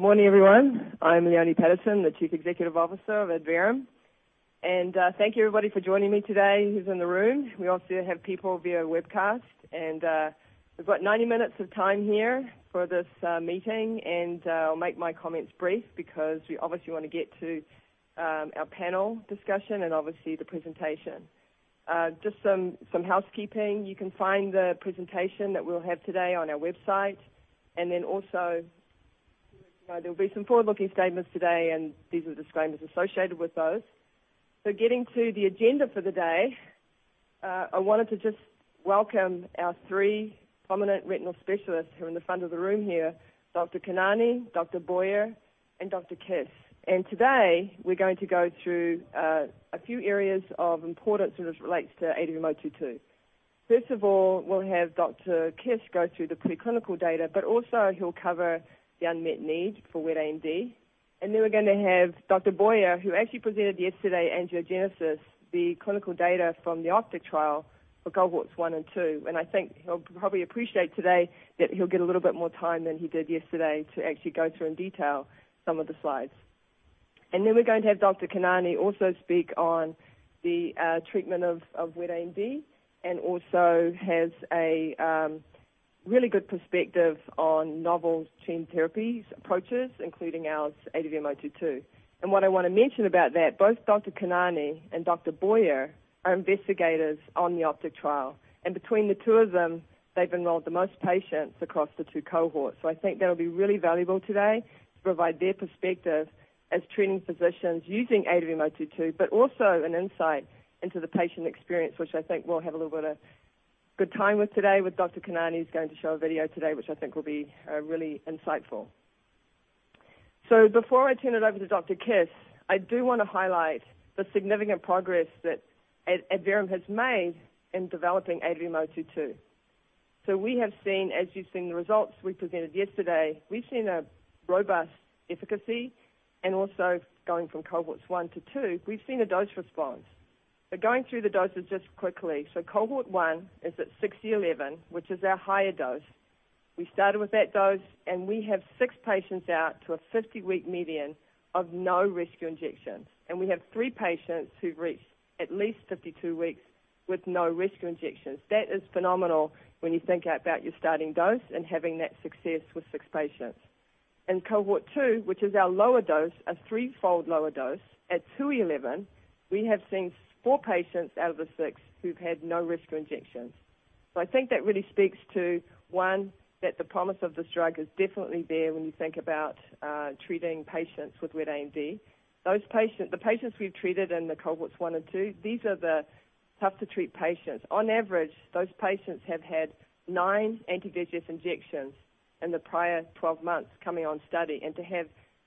Good morning, everyone. I'm Leone Patterson, the Chief Executive Officer of Adverum. Thank you everybody for joining me today who's in the room. We also have people via webcast, and we've got 90 minutes of time here for this meeting. I'll make my comments brief because we obviously want to get to our panel discussion and obviously the presentation. Just some housekeeping. You can find the presentation that we'll have today on our website. There'll be some forward-looking statements today, and these are disclaimers associated with those. Getting to the agenda for the day, I wanted to just welcome our three prominent retinal specialists who are in the front of the room here, Dr. Khanani, Dr. Boyer, and Dr. Kiss. Today, we're going to go through a few areas of importance as it relates to ADVM-022. First of all, we'll have Dr. Kiss go through the preclinical data, but also he'll cover the unmet need for wet AMD. We're going to have Dr. Boyer, who actually presented yesterday Angiogenesis, the clinical data from the OPTIC trial for Cohorts 1 and 2. I think he'll probably appreciate today that he'll get a little bit more time than he did yesterday to actually go through in detail some of the slides. We're going to have Dr. Khanani also speak on the treatment of wet AMD, and also has a really good perspective on novel gene therapies approaches, including ours, ADVM-022. What I want to mention about that, both Dr. Khanani and Dr. Boyer are investigators on the OPTIC trial. Between the two of them, they've enrolled the most patients across the two cohorts. I think that'll be really valuable today to provide their perspective as treating physicians using ADVM-022, but also an insight into the patient experience, which I think we'll have a little bit of good time with today with Dr. Khanani, who's going to show a video today, which I think will be really insightful. Before I turn it over to Dr. Kiss, I do want to highlight the significant progress that Adverum has made in developing ADVM-022. We have seen, as you've seen the results we presented yesterday, we've seen a robust efficacy and also going from Cohorts 1-2, we've seen a dose response. Going through the doses just quickly. Cohort 1 is at 6E11, which is our higher dose. We started with that dose, and we have six patients out to a 50-week median of no rescue injections. We have three patients who've reached at least 52 weeks with no rescue injections. That is phenomenal when you think about your starting dose and having that success with six patients. In Cohort 2, which is our lower dose, a threefold lower dose at 2E11, we have seen four patients out of the six who've had no rescue injections. I think that really speaks to, one, that the promise of this drug is definitely there when you think about treating patients with wet AMD. The patients we've treated in the Cohorts 1 and 2, these are the tough-to-treat patients. On average, those patients have had nine anti-VEGF injections in the prior 12 months coming on study. To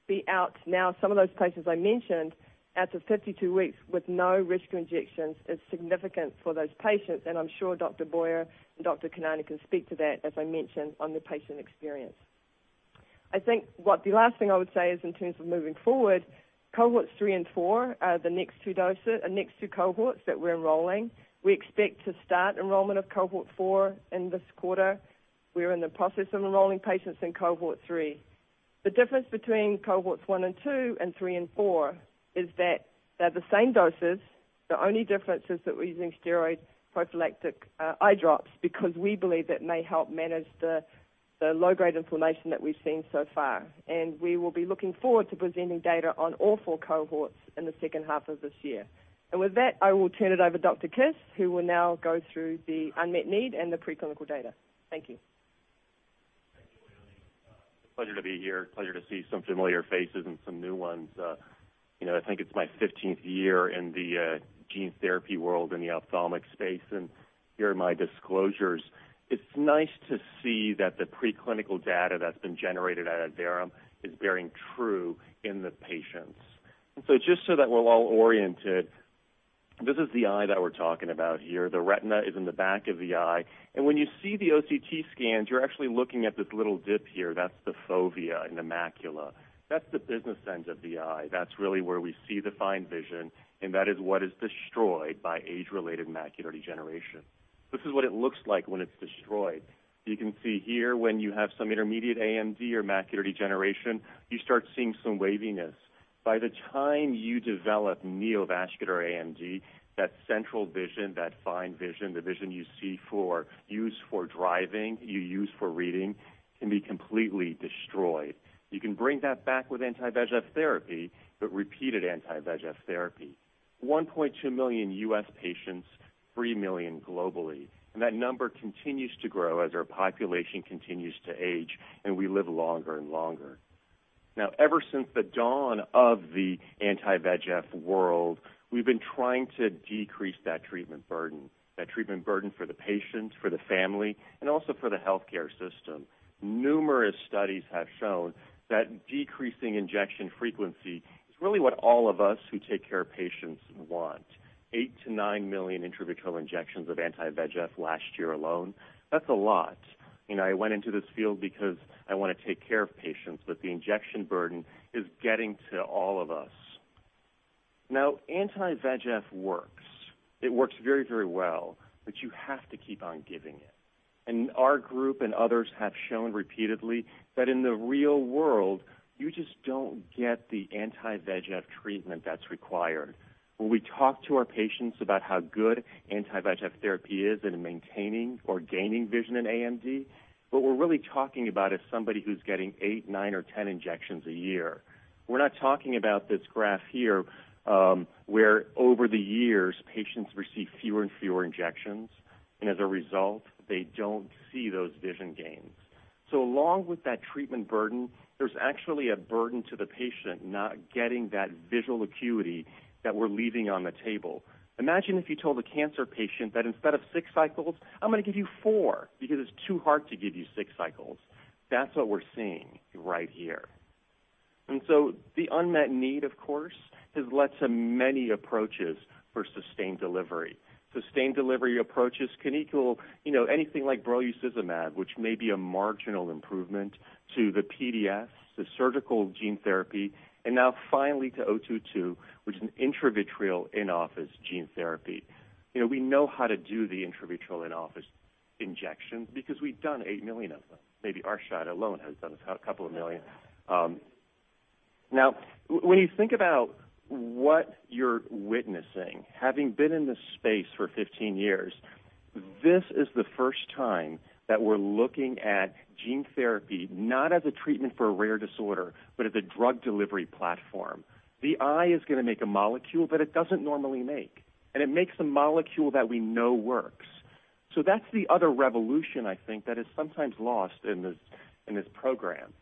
be out now, some of those patients I mentioned, out to 52 weeks with no rescue injections is significant for those patients, and I'm sure Dr. Boyer and Dr. Khanani can speak to that, as I mentioned, on the patient experience. I think what the last thing I would say is in terms of moving forward, Cohorts 3 and 4 are the next two cohorts that we're enrolling. We expect to start enrollment of Cohort 4 in this quarter. We're in the process of enrolling patients in Cohort 3. The difference between Cohorts 1 and 2 and 3 and 4 is that they're the same doses. The only difference is that we're using steroid prophylactic eye drops because we believe that may help manage the low-grade inflammation that we've seen so far. We will be looking forward to presenting data on all four cohorts in the second half of this year. With that, I will turn it over Dr. Kiss, who will now go through the unmet need and the preclinical data. Thank you. Thank you, Leone. Pleasure to be here. Pleasure to see some familiar faces and some new ones. I think it's my 15th year in the gene therapy world in the ophthalmic space. Here are my disclosures. It's nice to see that the preclinical data that's been generated at Adverum is bearing true in the patients. Just so that we're all oriented, this is the eye that we're talking about here. The retina is in the back of the eye. When you see the OCT scans, you're actually looking at this little dip here. That's the fovea in the macula. That's the business end of the eye. That's really where we see the fine vision. That is what is destroyed by age-related macular degeneration. This is what it looks like when it's destroyed. You can see here when you have some intermediate AMD or macular degeneration, you start seeing some waviness. By the time you develop neovascular AMD, that central vision, that fine vision, the vision you use for driving, you use for reading, can be completely destroyed. You can bring that back with anti-VEGF therapy, repeated anti-VEGF therapy. 1.2 million U.S. patients, 3 million globally, that number continues to grow as our population continues to age, and we live longer and longer. Ever since the dawn of the anti-VEGF world, we've been trying to decrease that treatment burden, that treatment burden for the patients, for the family, and also for the healthcare system. Numerous studies have shown that decreasing injection frequency is really what all of us who take care of patients want. 8 million-9 million intravitreal injections of anti-VEGF last year alone. That's a lot. I went into this field because I want to take care of patients, but the injection burden is getting to all of us. Anti-VEGF works. It works very well, but you have to keep on giving it. Our group and others have shown repeatedly that in the real world, you just don't get the anti-VEGF treatment that's required. When we talk to our patients about how good anti-VEGF therapy is at maintaining or gaining vision in AMD, what we're really talking about is somebody who's getting eight, nine or 10 injections a year. We're not talking about this graph here, where over the years, patients receive fewer and fewer injections, and as a result, they don't see those vision gains. Along with that treatment burden, there's actually a burden to the patient not getting that visual acuity that we're leaving on the table. Imagine if you told a cancer patient that instead of six cycles, I'm going to give you four because it's too hard to give you six cycles. The unmet need, of course, has led to many approaches for sustained delivery. Sustained delivery approaches can equal anything like brolucizumab, which may be a marginal improvement to the PDS, the surgical gene therapy, and now finally to ADVM-022, which is an intravitreal in-office gene therapy. We know how to do the intravitreal in-office injections because we've done 8 million of them. Maybe Arshad alone has done a couple of million. Now, when you think about what you're witnessing, having been in this space for 15 years, this is the first time that we're looking at gene therapy, not as a treatment for a rare disorder, but as a drug delivery platform. The eye is going to make a molecule that it doesn't normally make, and it makes a molecule that we know works. That's the other revolution, I think, that is sometimes lost in this program.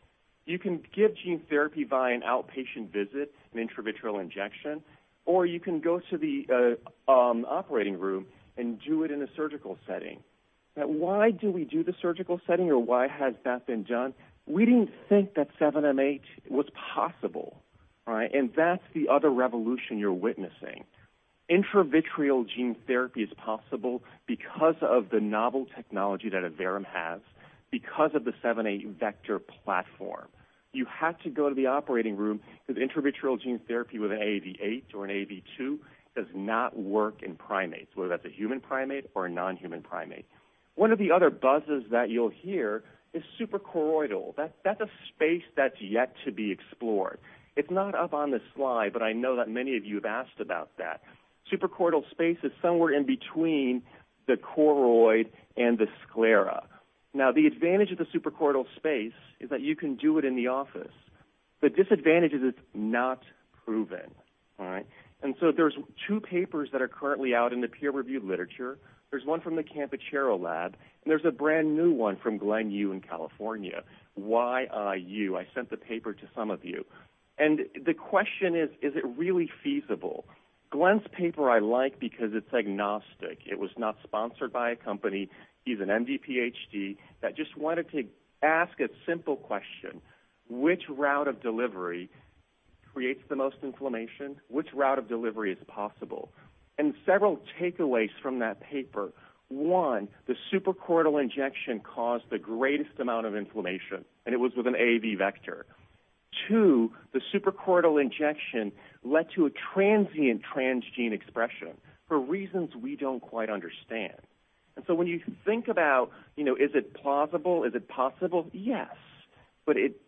You can give gene therapy via an outpatient visit, an intravitreal injection, or you can go to the operating room and do it in a surgical setting. Why do we do the surgical setting or why has that been done? We didn't think that 7m8 was possible. That's the other revolution you're witnessing. Intravitreal gene therapy is possible because of the novel technology that Adverum has, because of the 7m8 vector platform. You have to go to the operating room because intravitreal gene therapy with an AAV8 or an AAV2 does not work in primates, whether that's a human primate or a non-human primate. One of the other buzzes that you'll hear is suprachoroidal. That's a space that's yet to be explored. It's not up on the slide, but I know that many of you have asked about that. Suprachoroidal space is somewhere in between the choroid and the sclera. The advantage of the suprachoroidal space is that you can do it in the office. The disadvantage is it's not proven. All right? There's two papers that are currently out in the peer-reviewed literature. There's one from the Campochiaro lab, and there's a brand new one from Glenn Yiu in California. Y-I-U. I sent the paper to some of you. The question is, Is it really feasible? Glenn's paper I like because it's agnostic. It was not sponsored by a company. He's an MD PhD that just wanted to ask a simple question, which route of delivery creates the most inflammation? Which route of delivery is possible? Several takeaways from that paper. One, the suprachoroidal injection caused the greatest amount of inflammation, and it was with an AAV vector. Two, the suprachoroidal injection led to a transient transgene expression for reasons we don't quite understand. When you think about, is it plausible? Is it possible? Yes.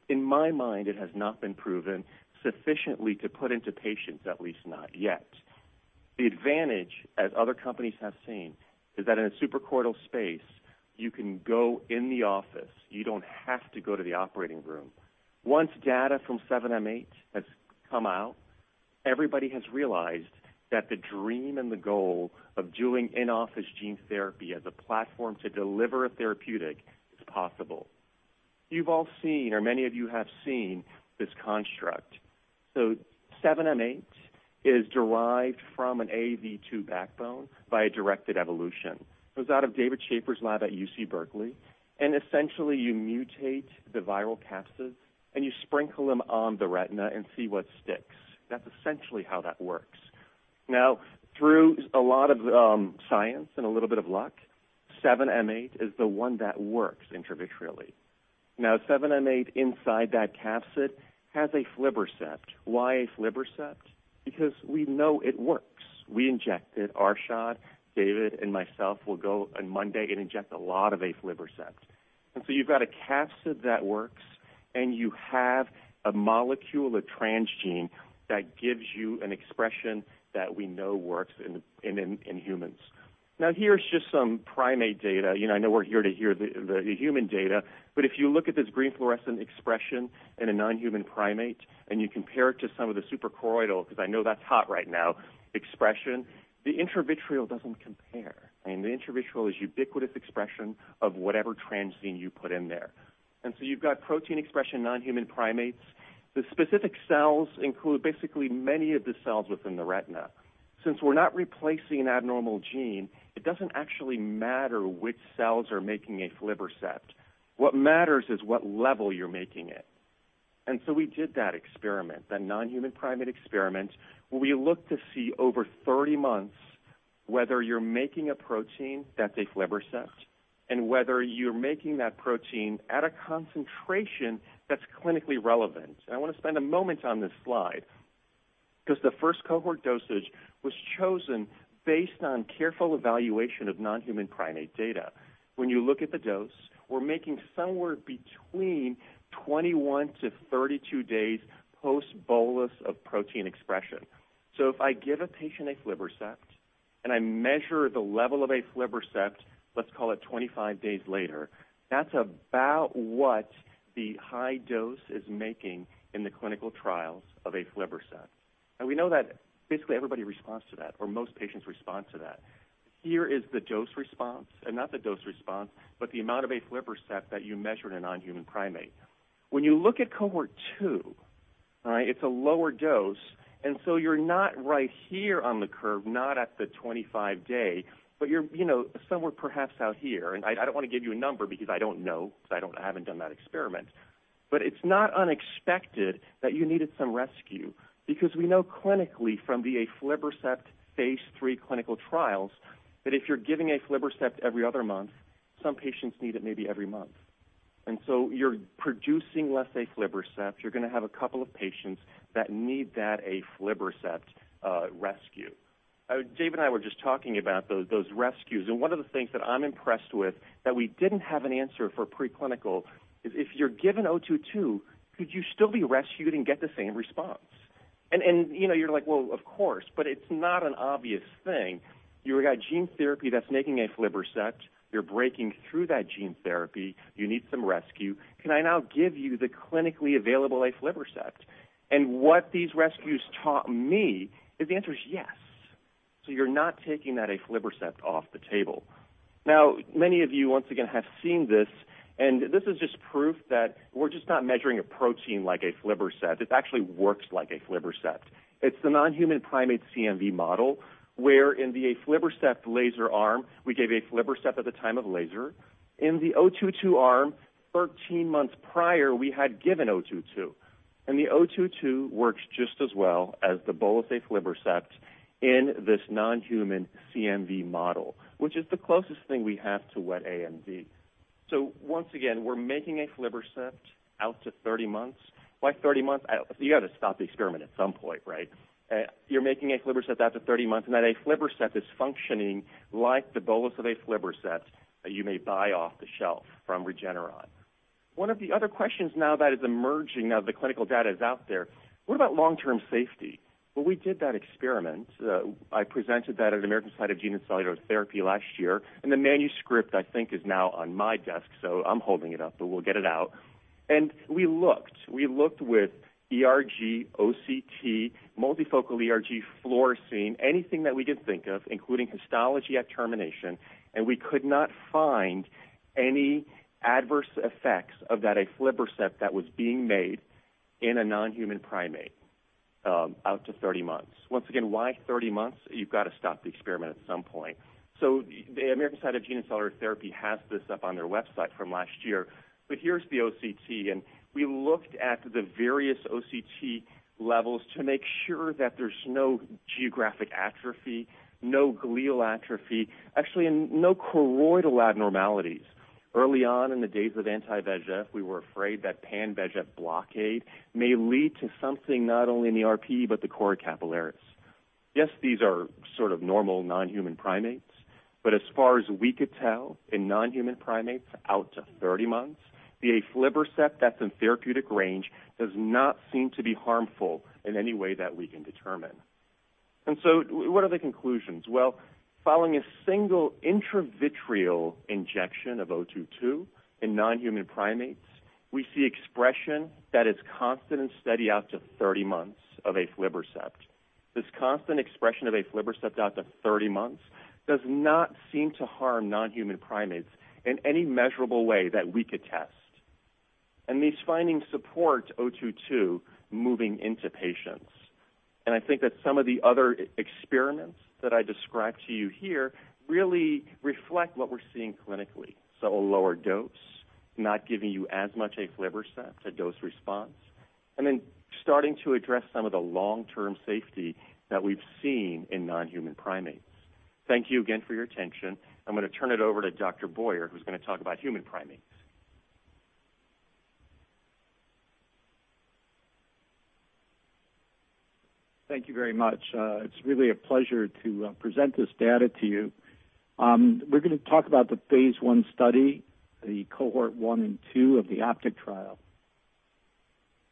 In my mind, it has not been proven sufficiently to put into patients, at least not yet. The advantage, as other companies have seen, is that in a suprachoroidal space, you can go in the office. You don't have to go to the operating room. Once data from 7m8 has come out, everybody has realized that the dream and the goal of doing in-office gene therapy as a platform to deliver a therapeutic is possible. You've all seen, or many of you have seen this construct. 7m8 is derived from an AAV2 backbone by a directed evolution. It was out of David Schaffer's lab at UC Berkeley. Essentially, you mutate the viral capsids, and you sprinkle them on the retina and see what sticks. That's essentially how that works. Now, through a lot of science and a little bit of luck, 7m8 is the one that works intravitreally. Now, 7m8 inside that capsid has aflibercept. Why aflibercept? Because we know it works. We inject it. Arshad, David, and myself will go on Monday and inject a lot of aflibercept. You've got a capsid that works, and you have a molecule, a transgene that gives you an expression that we know works in humans. Here's just some primate data. I know we're here to hear the human data, but if you look at this green fluorescent expression in a non-human primate, and you compare it to some of the suprachoroidal, because I know that's hot right now, expression, the intravitreal doesn't compare. I mean, the intravitreal is ubiquitous expression of whatever transgene you put in there. You've got protein expression, non-human primates. The specific cells include basically many of the cells within the retina. Since we're not replacing an abnormal gene, it doesn't actually matter which cells are making aflibercept. What matters is what level you're making it. We did that experiment, that non-human primate experiment, where we looked to see over 30 months, whether you're making a protein that's aflibercept, and whether you're making that protein at a concentration that's clinically relevant. I want to spend a moment on this slide, because the first cohort dosage was chosen based on careful evaluation of non-human primate data. When you look at the dose, we're making somewhere between 21-32 days post bolus of protein expression. If I give a patient aflibercept, and I measure the level of aflibercept, let's call it 25 days later, that's about what the high dose is making in the clinical trials of aflibercept. We know that basically everybody responds to that, or most patients respond to that. Here is the dose response, not the dose response, but the amount of aflibercept that you measure in a non-human primate. When you look at Cohort 2, it's a lower dose, and so you're not right here on the curve, not at the 25-day, but you're somewhere perhaps out here. I don't want to give you a number because I don't know, because I haven't done that experiment. It's not unexpected that you needed some rescue, because we know clinically from the aflibercept phase III clinical trials, that if you're giving aflibercept every other month, some patients need it maybe every month. You're producing less aflibercept. You're going to have a couple of patients that need that aflibercept rescue. Dave and I were just talking about those rescues, and one of the things that I'm impressed with that we didn't have an answer for preclinical is if you're given O22, could you still be rescued and get the same response? You're like, "Well, of course," but it's not an obvious thing. You've got gene therapy that's making aflibercept. You're breaking through that gene therapy. You need some rescue. Can I now give you the clinically available aflibercept? What these rescues taught me is the answer is yes. You're not taking that aflibercept off the table. Now, many of you, once again, have seen this, and this is just proof that we're just not measuring a protein like aflibercept. It actually works like aflibercept. It's the non-human primate CNV model, where in the aflibercept laser arm, we gave aflibercept at the time of laser. In the O22 arm, 13 months prior, we had given O22. The O22 works just as well as the bolus aflibercept in this non-human CNV model, which is the closest thing we have to wet AMD. Once again, we're making aflibercept out to 30 months. Why 30 months? You've got to stop the experiment at some point, right? You're making aflibercept out to 30 months, and that aflibercept is functioning like the bolus of aflibercept that you may buy off the shelf from Regeneron. One of the other questions now that is emerging now that the clinical data is out there, what about long-term safety? We did that experiment. I presented that at the American Society of Gene & Cell Therapy last year, and the manuscript, I think, is now on my desk, so I'm holding it up, but we'll get it out. We looked. We looked with ERG, OCT, multifocal ERG, fluorescein, anything that we could think of, including histology at termination, and we could not find any adverse effects of that aflibercept that was being made in a non-human primate out to 30 months. Once again, why 30 months? You've got to stop the experiment at some point. The American Society of Gene & Cell Therapy has this up on their website from last year. Here's the OCT, and we looked at the various OCT levels to make sure that there's no geographic atrophy, no glial atrophy, actually no choroidal abnormalities. Early on in the days of anti-VEGF, we were afraid that pan-VEGF blockade may lead to something not only in the RPE but the choriocapillaris. Yes, these are sort of normal non-human primates, but as far as we could tell, in non-human primates out to 30 months, the aflibercept that's in therapeutic range does not seem to be harmful in any way that we can determine. What are the conclusions? Well, following a single intravitreal injection of O22 in non-human primates, we see expression that is constant and steady out to 30 months of aflibercept. This constant expression of aflibercept out to 30 months does not seem to harm non-human primates in any measurable way that we could test. These findings support O22 moving into patients. I think that some of the other experiments that I described to you here really reflect what we're seeing clinically. A lower dose, not giving you as much aflibercept, a dose response, and then starting to address some of the long-term safety that we've seen in non-human primates. Thank you again for your attention. I'm going to turn it over to Dr. Boyer, who's going to talk about human primates. Thank you very much. It's really a pleasure to present this data to you. We're going to talk about the phase I study, the Cohort 1 and 2 of the OPTIC trial.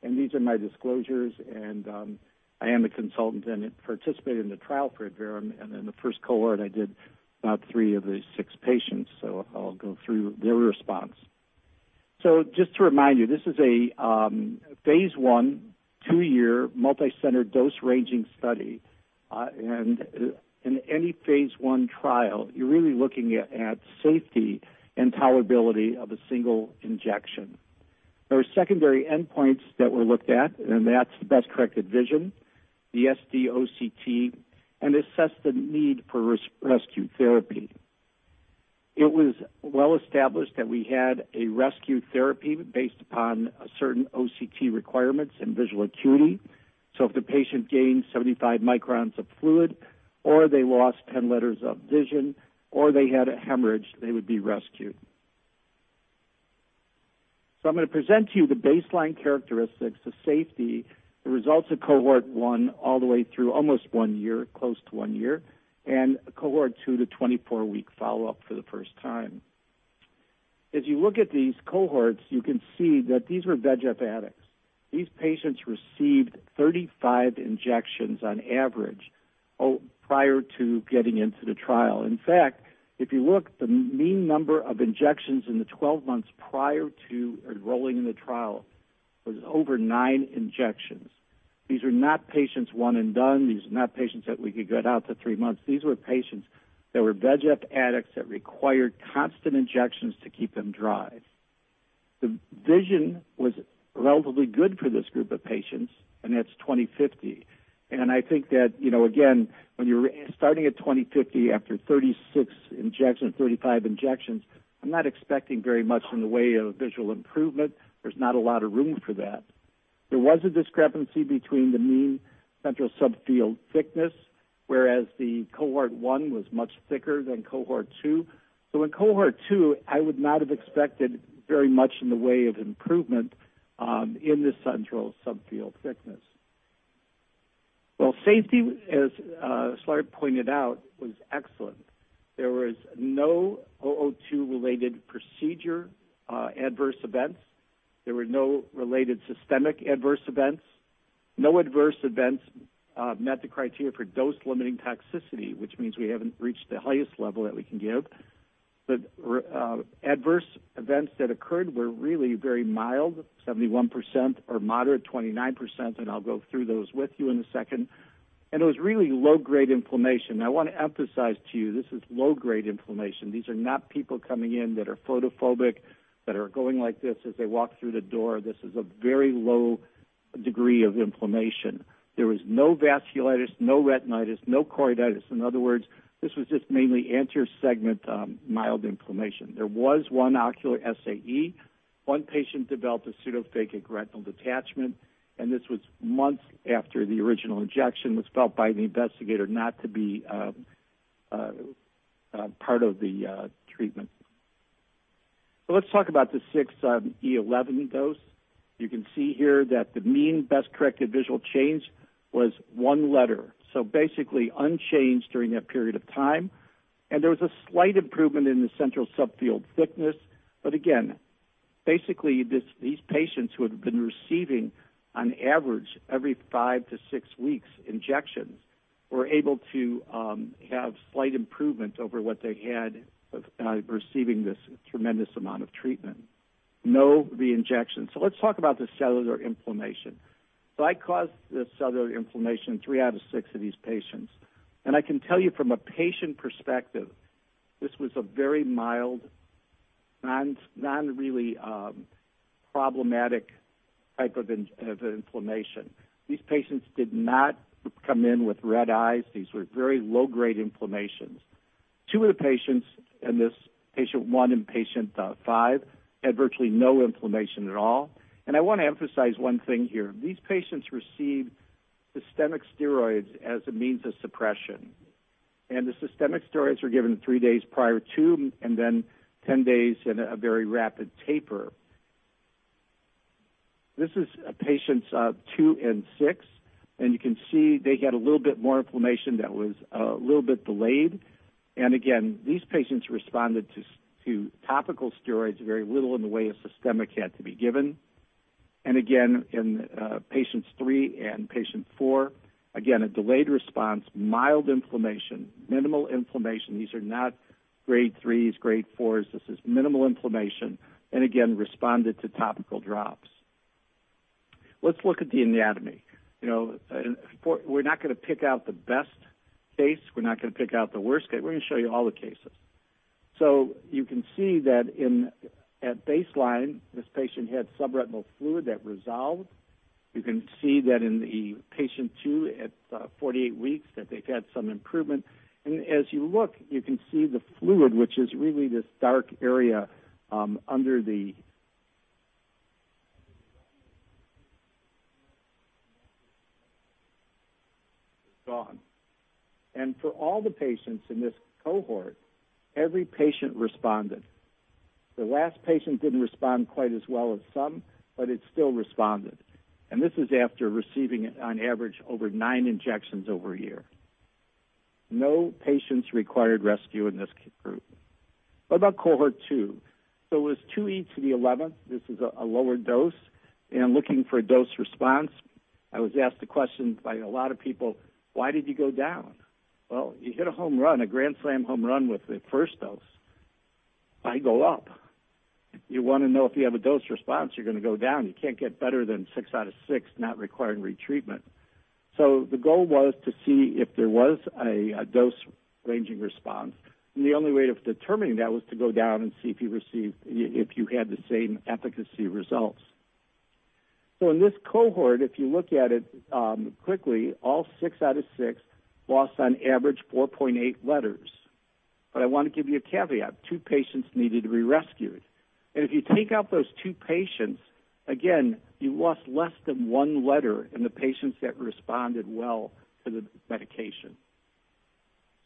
These are my disclosures. I am a consultant and participated in the trial for Adverum, and in the first cohort, I did about three of the six patients, so I'll go through their response. Just to remind you, this is a phase I, two-year, multi-center dose-ranging study. In any phase I trial, you're really looking at safety and tolerability of a single injection. There are secondary endpoints that were looked at, and that's the best-corrected vision, the SD-OCT, and assess the need for rescue therapy. It was well established that we had a rescue therapy based upon certain OCT requirements and visual acuity. If the patient gained 75 µm of fluid, or they lost 10 letters of vision, or they had a hemorrhage, they would be rescued. I'm going to present to you the baseline characteristics, the safety, the results of Cohort 1 all the way through almost one year, close to one year, and Cohort 2, the 24-week follow-up for the first time. As you look at these cohorts, you can see that these were VEGF addicts. These patients received 35 injections on average prior to getting into the trial. In fact, if you look, the mean number of injections in the 12 months prior to enrolling in the trial was over nine injections. These are not patients one and done. These are not patients that we could get out to three months. These were patients that were VEGF addicts that required constant injections to keep them dry. The vision was relatively good for this group of patients, and that's 20/50. I think that, again, when you're starting at 20/50 after 36 injections, 35 injections, I'm not expecting very much in the way of visual improvement. There's not a lot of room for that. There was a discrepancy between the mean central subfield thickness, whereas the Cohort 1 was much thicker than Cohort 2. In Cohort 2, I would not have expected very much in the way of improvement in the central subfield thickness. Safety, as Szilárd pointed out, was excellent. There was no ADVM-022-related procedure adverse events. There were no related systemic adverse events. No adverse events met the criteria for dose-limiting toxicity, which means we haven't reached the highest level that we can give. The adverse events that occurred were really very mild, 71%, or moderate, 29%. I'll go through those with you in a second. It was really low-grade inflammation. I want to emphasize to you, this is low-grade inflammation. These are not people coming in that are photophobic, that are going like this as they walk through the door. This is a very low degree of inflammation. There was no vasculitis, no retinitis, no choroiditis. In other words, this was just mainly anterior segment mild inflammation. There was one ocular SAE. One patient developed a pseudophakic retinal detachment, and this was months after the original injection, was felt by the investigator not to be part of the treatment. Let's talk about the 6E11 dose. You can see here that the mean best-corrected visual change was one letter, so basically unchanged during that period of time. There was a slight improvement in the central subfield thickness. Again, basically, these patients who had been receiving, on average, every five to six weeks, injections, were able to have slight improvement over what they had receiving this tremendous amount of treatment. No reinjections. Let's talk about the cellular inflammation. I caused the cellular inflammation in three out of six of these patients. I can tell you from a patient perspective, this was a very mild, non-really problematic type of inflammation. These patients did not come in with red eyes. These were very low-grade inflammations. Two of the patients in this, patient one and patient five, had virtually no inflammation at all. I want to emphasize one thing here. These patients received systemic steroids as a means of suppression. The systemic steroids were given three days prior to and then 10 days in a very rapid taper. This is patients two and six, and you can see they had a little bit more inflammation that was a little bit delayed. Again, these patients responded to topical steroids. Very little in the way of systemic had to be given. Again, in patients three and patient four, again, a delayed response, mild inflammation, minimal inflammation. These are not grade 3s, grade 4s. This is minimal inflammation. Again, responded to topical drops. Let's look at the anatomy. We're not going to pick out the best case. We're not going to pick out the worst case. We're going to show you all the cases. You can see that at baseline, this patient had subretinal fluid that resolved. You can see that in patient two at 48 weeks, that they've had some improvement. As you look, you can see the fluid, which is really this dark area under the retina is gone. For all the patients in this cohort, every patient responded. The last patient didn't respond quite as well as some, but it still responded. This is after receiving, on average, over nine injections over a year. No patients required rescue in this group. What about Cohort 2? It was 2E to the 11th. This is a lower dose. Looking for a dose response, I was asked a question by a lot of people, why did you go down? You hit a home run, a grand slam home run with the first dose. Why go up? You want to know if you have a dose response, you're going to go down. You can't get better than six out of six not requiring retreatment. The goal was to see if there was a dose-ranging response. The only way of determining that was to go down and see if you had the same efficacy results. In this cohort, if you look at it quickly, all six out of six lost on average 4.8 letters. I want to give you a caveat. Two patients needed to be rescued. If you take out those two patients, again, you lost less than one letter in the patients that responded well to the medication.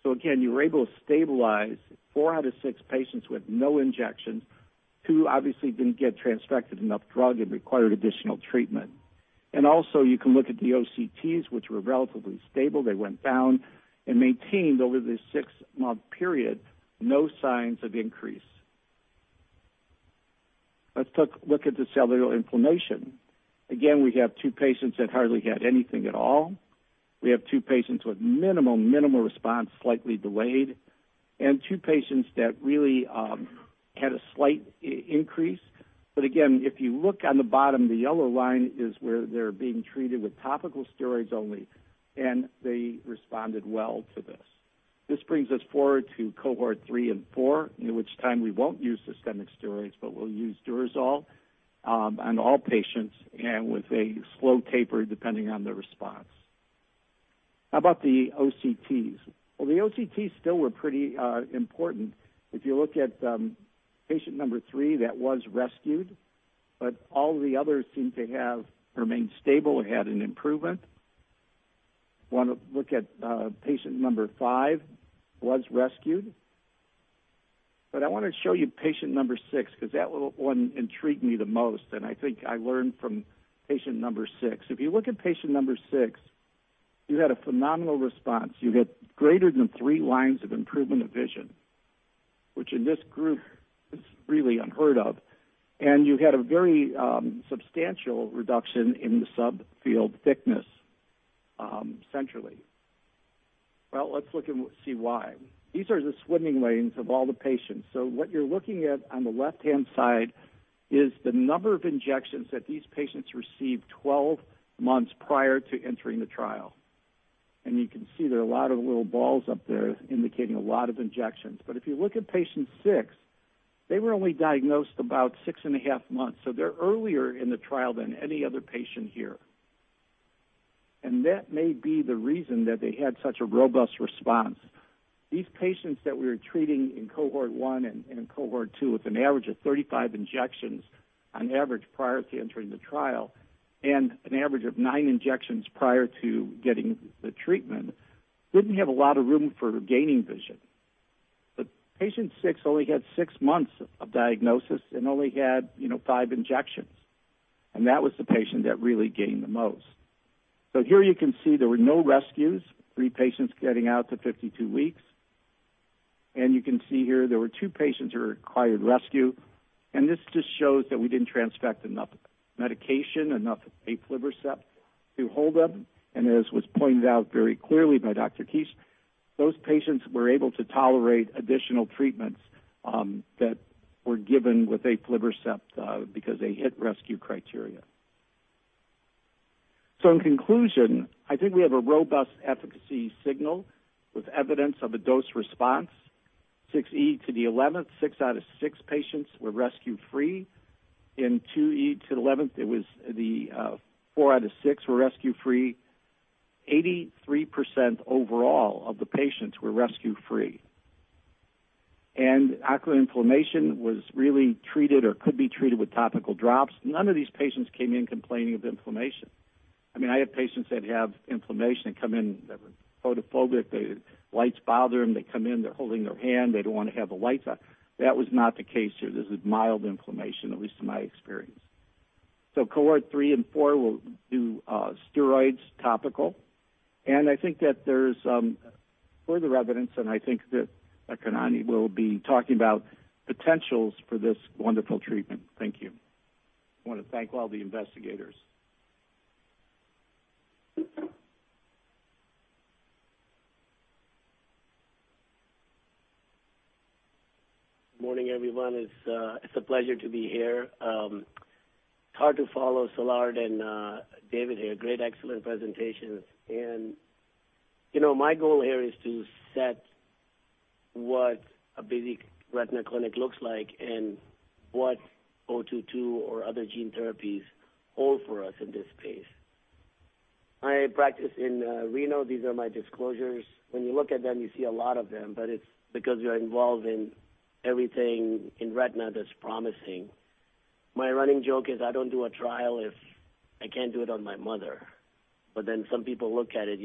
Again, you were able to stabilize four out of six patients with no injections. Two obviously didn't get transfected enough drug and required additional treatment. Also you can look at the OCTs, which were relatively stable. They went down and maintained over the six-month period, no signs of increase. Let's look at the cellular inflammation. Again, we have two patients that hardly had anything at all. We have two patients with minimal response, slightly delayed, and two patients that really had a slight increase. Again, if you look on the bottom, the yellow line is where they're being treated with topical steroids only, and they responded well to this. This brings us forward to Cohort 3 and 4, in which time we won't use systemic steroids, but we'll use DUREZOL on all patients and with a slow taper, depending on the response. How about the OCTs? Well, the OCTs still were pretty important. If you look at patient number three, that was rescued, but all the others seem to have remained stable or had an improvement. Want to look at patient number five, was rescued. I want to show you patient number six, because that one intrigued me the most, and I think I learned from patient number six. If you look at patient number six, you had a phenomenal response. You had greater than three lines of improvement of vision, which in this group is really unheard of. You had a very substantial reduction in the subfield thickness centrally. Well, let's look and see why. These are the swimming lanes of all the patients. What you're looking at on the left-hand side is the number of injections that these patients received 12 months prior to entering the trial. You can see there are a lot of little balls up there indicating a lot of injections. If you look at patient six, they were only diagnosed about six and a half months, so they're earlier in the trial than any other patient here. That may be the reason that they had such a robust response. These patients that we were treating in Cohort 1 and in Cohort 2, with an average of 35 injections on average prior to entering the trial, and an average of nine injections prior to getting the treatment, didn't have a lot of room for gaining vision. Patient six only had six months of diagnosis and only had five injections, and that was the patient that really gained the most. Here you can see there were no rescues, three patients getting out to 52 weeks. You can see here there were two patients who required rescue, and this just shows that we didn't transfect enough medication, enough aflibercept to hold them. As was pointed out very clearly by Dr. Kiss, those patients were able to tolerate additional treatments that were given with aflibercept because they hit rescue criteria. In conclusion, I think we have a robust efficacy signal with evidence of a dose response. 6E to the 11th, six out of six patients were rescue-free. In 2E to the 11th, it was the four out of six were rescue-free. 83% overall of the patients were rescue-free. Ocular inflammation was really treated or could be treated with topical drops. None of these patients came in complaining of inflammation. I have patients that have inflammation that come in, they're photophobic, the lights bother them. They come in, they're holding their hand. They don't want to have the lights on. That was not the case here. This is mild inflammation, at least in my experience. Cohort 3 and 4 will do steroids topical. I think that there's further evidence, and I think that Dr. Khanani will be talking about potentials for this wonderful treatment. Thank you. I want to thank all the investigators. Morning, everyone. It's a pleasure to be here. Hard to follow Szilárd and David here. Great, excellent presentations. My goal here is to set what a busy retina clinic looks like and what O22 or other gene therapies hold for us in this space. I practice in Reno. These are my disclosures. When you look at them, you see a lot of them, but it's because you're involved in everything in retina that's promising. My running joke is I don't do a trial if I can't do it on my mother. Some people look at it,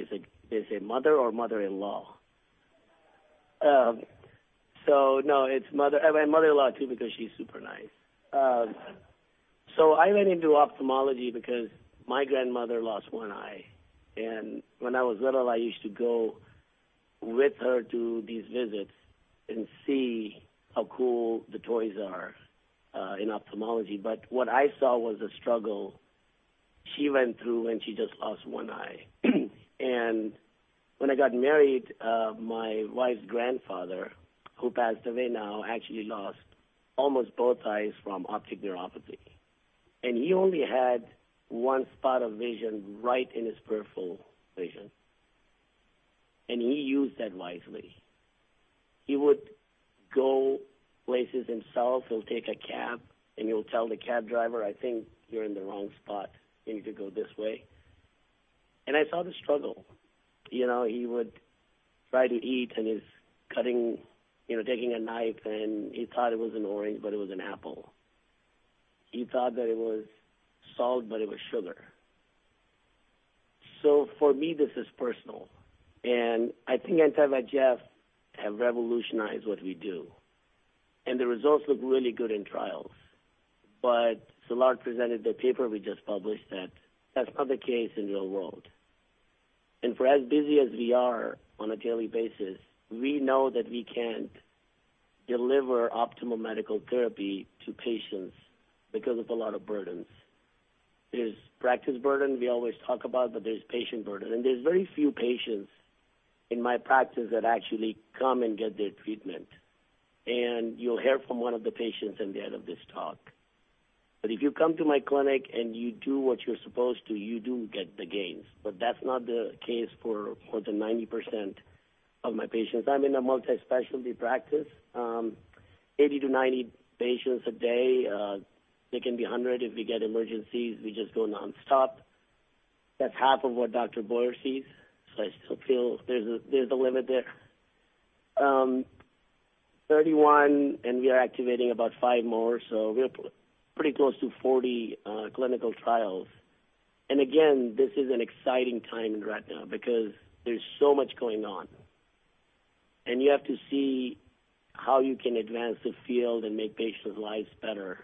they say, "Mother or mother-in-law?" No, it's mother. Well, mother-in-law, too, because she's super nice. I went into ophthalmology because my grandmother lost one eye. When I was little, I used to go with her to these visits and see how cool the toys are in ophthalmology. What I saw was the struggle she went through when she just lost one eye. When I got married, my wife's grandfather, who passed away now, actually lost almost both eyes from optic neuropathy. He only had one spot of vision right in his peripheral vision. He used that wisely. He would go places himself. He'll take a cab, and he'll tell the cab driver, "I think you're in the wrong spot. You need to go this way." I saw the struggle. He would try to eat and is taking a knife, and he thought it was an orange, but it was an apple. He thought that it was salt, but it was sugar. For me, this is personal. I think anti-VEGF have revolutionized what we do, and the results look really good in trials. Szilárd presented the paper we just published that that's not the case in the real world. For as busy as we are on a daily basis, we know that we can't deliver optimal medical therapy to patients because of a lot of burdens. There's practice burden we always talk about, but there's patient burden. There's very few patients in my practice that actually come and get their treatment. You'll hear from one of the patients in the end of this talk. If you come to my clinic and you do what you're supposed to, you do get the gains. That's not the case for more than 90% of my patients. I'm in a multi-specialty practice, 80-90 patients a day. They can be 100 if we get emergencies, we just go nonstop. That's half of what Dr. Boyer sees, so I still feel there's a limit there. 31, and we are activating about five more, so we are pretty close to 40 clinical trials. Again, this is an exciting time in retina because there's so much going on. You have to see how you can advance the field and make patients' lives better.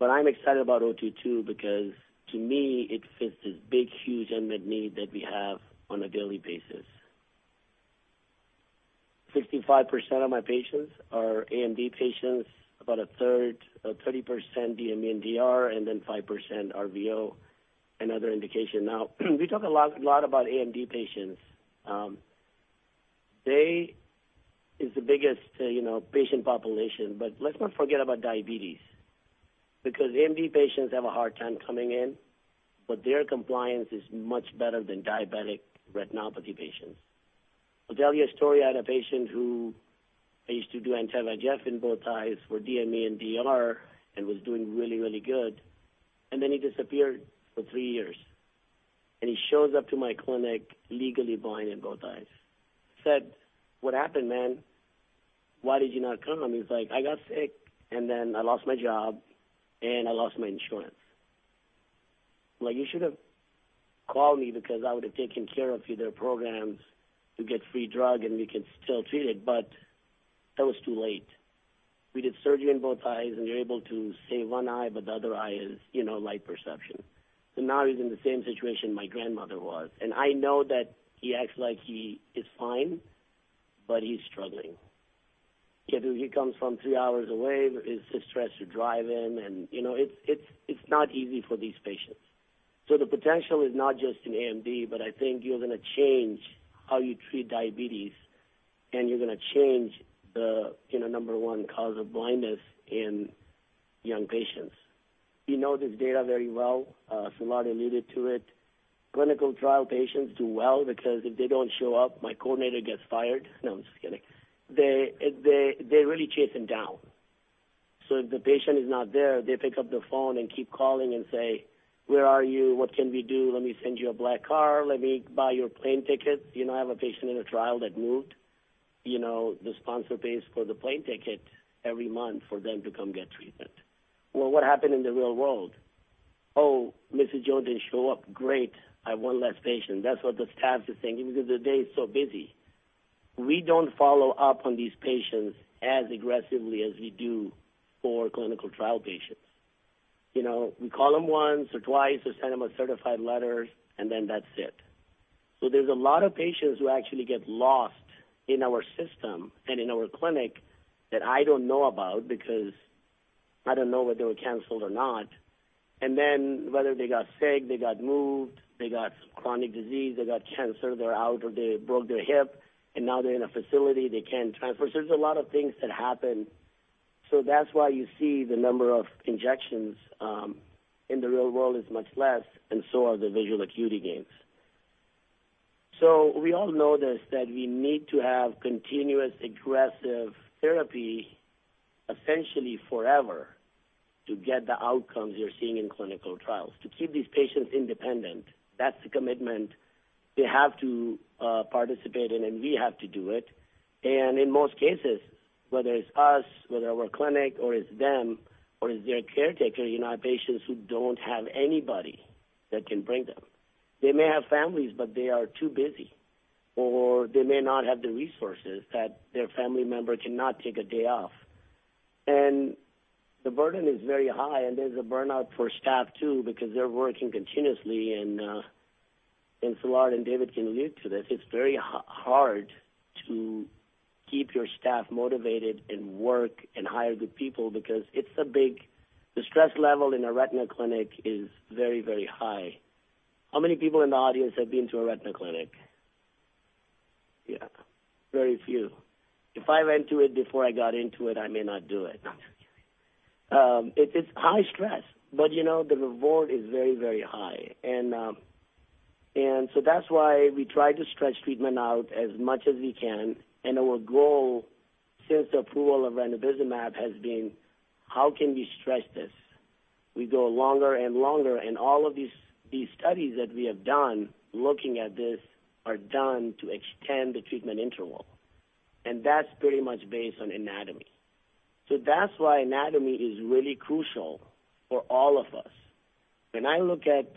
I'm excited about ADVM-022 because, to me, it fits this big, huge unmet need that we have on a daily basis. 65% of my patients are AMD patients, about a third, 30% DME and DR, and then 5% RVO and other indication. Now, we talk a lot about AMD patients. They is the biggest patient population, but let's not forget about diabetes, because AMD patients have a hard time coming in, but their compliance is much better than diabetic retinopathy patients. I'll tell you a story. I had a patient who I used to do anti-VEGF in both eyes for DME and DR and was doing really, really good, and then he disappeared for three years. He shows up to my clinic legally blind in both eyes. Said, "What happened, man? Why did you not come?" He's like, "I got sick, and then I lost my job, and I lost my insurance." Like, you should have called me because I would've taken care of you. There are programs to get free drug, and we can still treat it, but that was too late. We did surgery in both eyes, and we were able to save one eye, but the other eye is light perception. Now he's in the same situation my grandmother was. I know that he acts like he is fine, but he's struggling. He comes from three hours away, it's a stress to drive in, it's not easy for these patients. The potential is not just in AMD, I think you're going to change how you treat diabetes, you're going to change the number one cause of blindness in young patients. You know this data very well. Szilárd alluded to it. Clinical trial patients do well because if they don't show up, my coordinator gets fired. No, I'm just kidding. They really chase them down. If the patient is not there, they pick up the phone and keep calling and say, "Where are you? What can we do? Let me send you a black car. Let me buy your plane ticket." I have a patient in a trial that moved. The sponsor pays for the plane ticket every month for them to come get treatment. Well, what happened in the real world? "Oh, Mrs. Jones didn't show up. Great. I have one less patient." That's what the staff is thinking because the day is so busy. We don't follow up on these patients as aggressively as we do for clinical trial patients. We call them once or twice or send them a certified letter, and then that's it. There's a lot of patients who actually get lost in our system and in our clinic that I don't know about because I don't know whether they were canceled or not, and then whether they got sick, they got moved, they got chronic disease, they got cancer, they're out, or they broke their hip, and now they're in a facility, they can't transfer. There's a lot of things that happen. That's why you see the number of injections in the real world is much less, and so are the visual acuity gains. We all know this, that we need to have continuous aggressive therapy, essentially forever, to get the outcomes you're seeing in clinical trials, to keep these patients independent. That's the commitment they have to participate in, and we have to do it. In most cases, whether it's us, whether our clinic or it's them, or is their caretaker, patients who don't have anybody that can bring them. They may have families, but they are too busy, or they may not have the resources that their family member cannot take a day off. The burden is very high, and there's a burnout for staff, too, because they're working continuously, and Szilárd and David can allude to this. It's very hard to keep your staff motivated and work and hire good people because the stress level in a retina clinic is very, very high. How many people in the audience have been to a retina clinic? Yeah, very few. If I went to it before I got into it, I may not do it. No, I'm just kidding. It's high stress, but the reward is very, very high. That's why we try to stretch treatment out as much as we can, and our goal since the approval of ranibizumab has been, how can we stretch this? We go longer and longer, all of these studies that we have done looking at this are done to extend the treatment interval. That's pretty much based on anatomy. That's why anatomy is really crucial for all of us. When I look at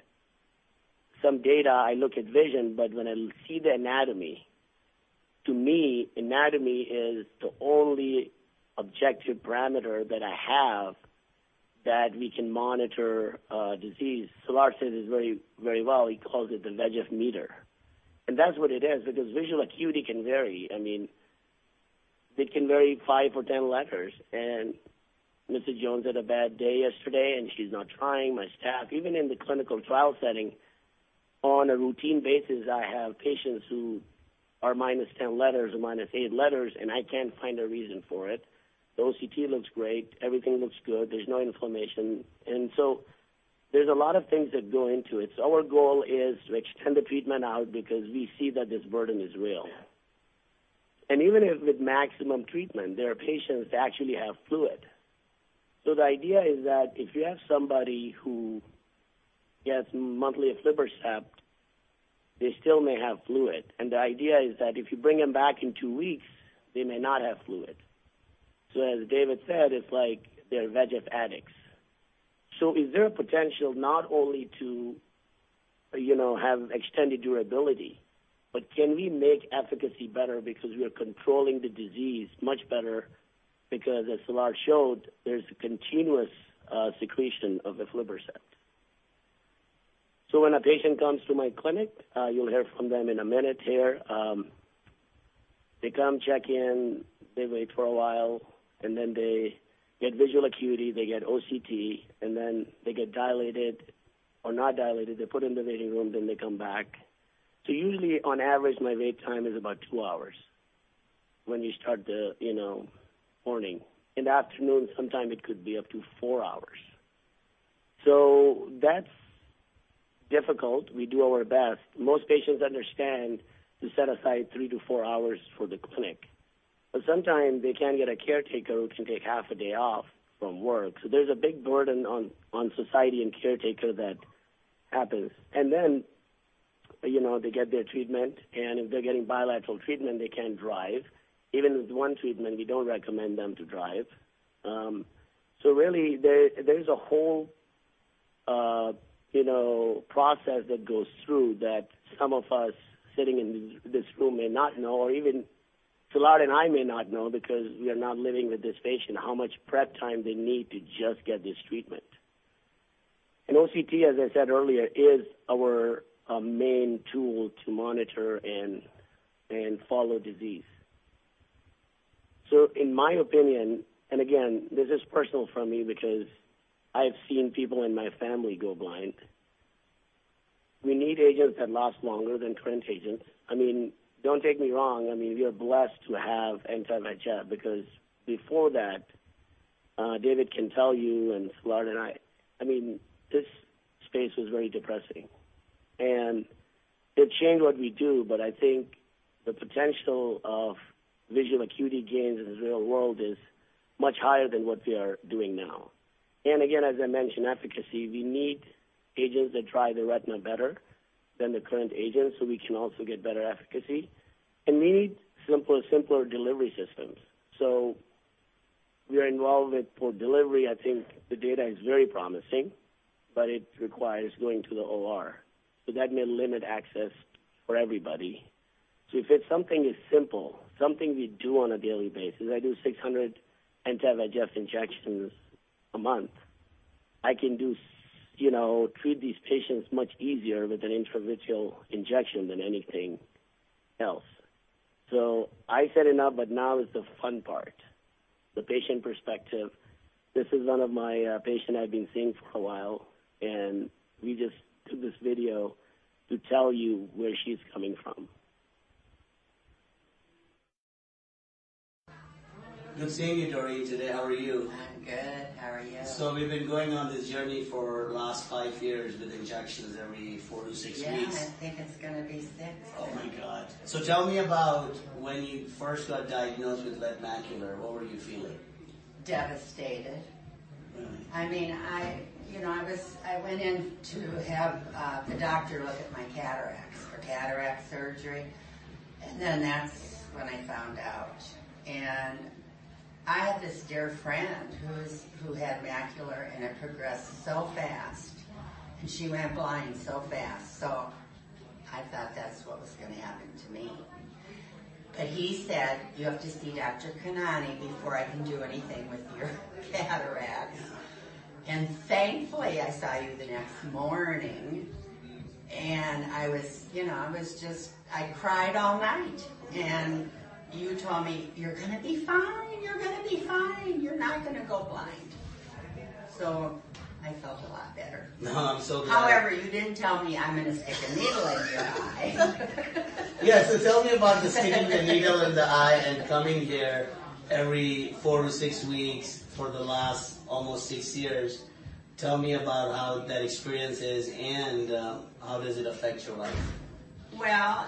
some data, I look at vision, but when I see the anatomy, to me, anatomy is the only objective parameter that I have that we can monitor disease. Szilárd says it very well. He calls it the VEGF meter. That's what it is, because visual acuity can vary. It can vary five or 10 letters, and Mrs. Jones had a bad day yesterday, and she's not trying. My staff, even in the clinical trial setting, on a routine basis, I have patients who are -10 letters or -8 letters, and I can't find a reason for it. The OCT looks great. Everything looks good. There's no inflammation. There's a lot of things that go into it. Our goal is to extend the treatment out because we see that this burden is real. Yeah. Even with maximum treatment, there are patients that actually have fluid. The idea is that if you have somebody who gets monthly aflibercept, they still may have fluid. The idea is that if you bring them back in two weeks, they may not have fluid. As David said, it's like they're VEGF addicts. Is there a potential not only to have extended durability, but can we make efficacy better because we are controlling the disease much better? As Szilárd showed, there's a continuous secretion of aflibercept. When a patient comes to my clinic, you'll hear from them in a minute here, they come check in, they wait for a while, and then they get visual acuity, they get OCT, and then they get dilated or not dilated. They're put in the waiting room, they come back. Usually, on average, my wait time is about two hours when you start the morning. In the afternoon, sometimes it could be up to four hours. That's difficult. We do our best. Most patients understand to set aside three to four hours for the clinic, but sometimes they can't get a caretaker who can take half a day off from work. There's a big burden on society and caretaker that happens. Then, they get their treatment, and if they're getting bilateral treatment, they can't drive. Even with one treatment, we don't recommend them to drive. Really, there's a whole process that goes through that some of us sitting in this room may not know, or even Szilárd and I may not know because we are not living with this patient, how much prep time they need to just get this treatment. An OCT, as I said earlier, is our main tool to monitor and follow disease. In my opinion, and again, this is personal for me because I've seen people in my family go blind, we need agents that last longer than current agents. Don't take me wrong, we are blessed to have anti-VEGF because before that, David can tell you, and Szilárd and I, this space was very depressing. It changed what we do, but I think the potential of visual acuity gains in the real world is much higher than what we are doing now. Again, as I mentioned, efficacy, we need agents that dry the retina better than the current agents, so we can also get better efficacy. We need simpler delivery systems. We are involved with port delivery. I think the data is very promising, but it requires going to the OR. That may limit access for everybody. If something is simple, something we do on a daily basis, I do 600 anti-VEGF injections a month. I can treat these patients much easier with an intravitreal injection than anything else. I said enough, now is the fun part, the patient perspective. This is one of my patients I've been seeing for a while, we just took this video to tell you where she's coming from. Good seeing you, Doreen, today. How are you? I'm good. How are you? We've been going on this journey for the last five years with injections every four to six weeks. Yeah, I think it's going to be six now. Oh my god. Tell me about when you first got diagnosed with wet AMD? What were you feeling? Devastated. Really? I went in to have the doctor look at my cataracts for cataract surgery, and then that's when I found out. I had this dear friend who had macular, and it progressed so fast, and she went blind so fast, so I thought that's what was going to happen to me. He said, "You have to see Dr. Khanani before I can do anything with your cataracts." Thankfully, I saw you the next morning, and I cried all night. You told me, "You're going to be fine. You're not going to go blind." I felt a lot better. Oh, I'm so glad. You didn't tell me I'm going to stick a needle in your eye. Yeah. Tell me about sticking the needle in the eye and coming here every four to six weeks for the last almost six years. Tell me about how that experience is and how does it affect your life? Well,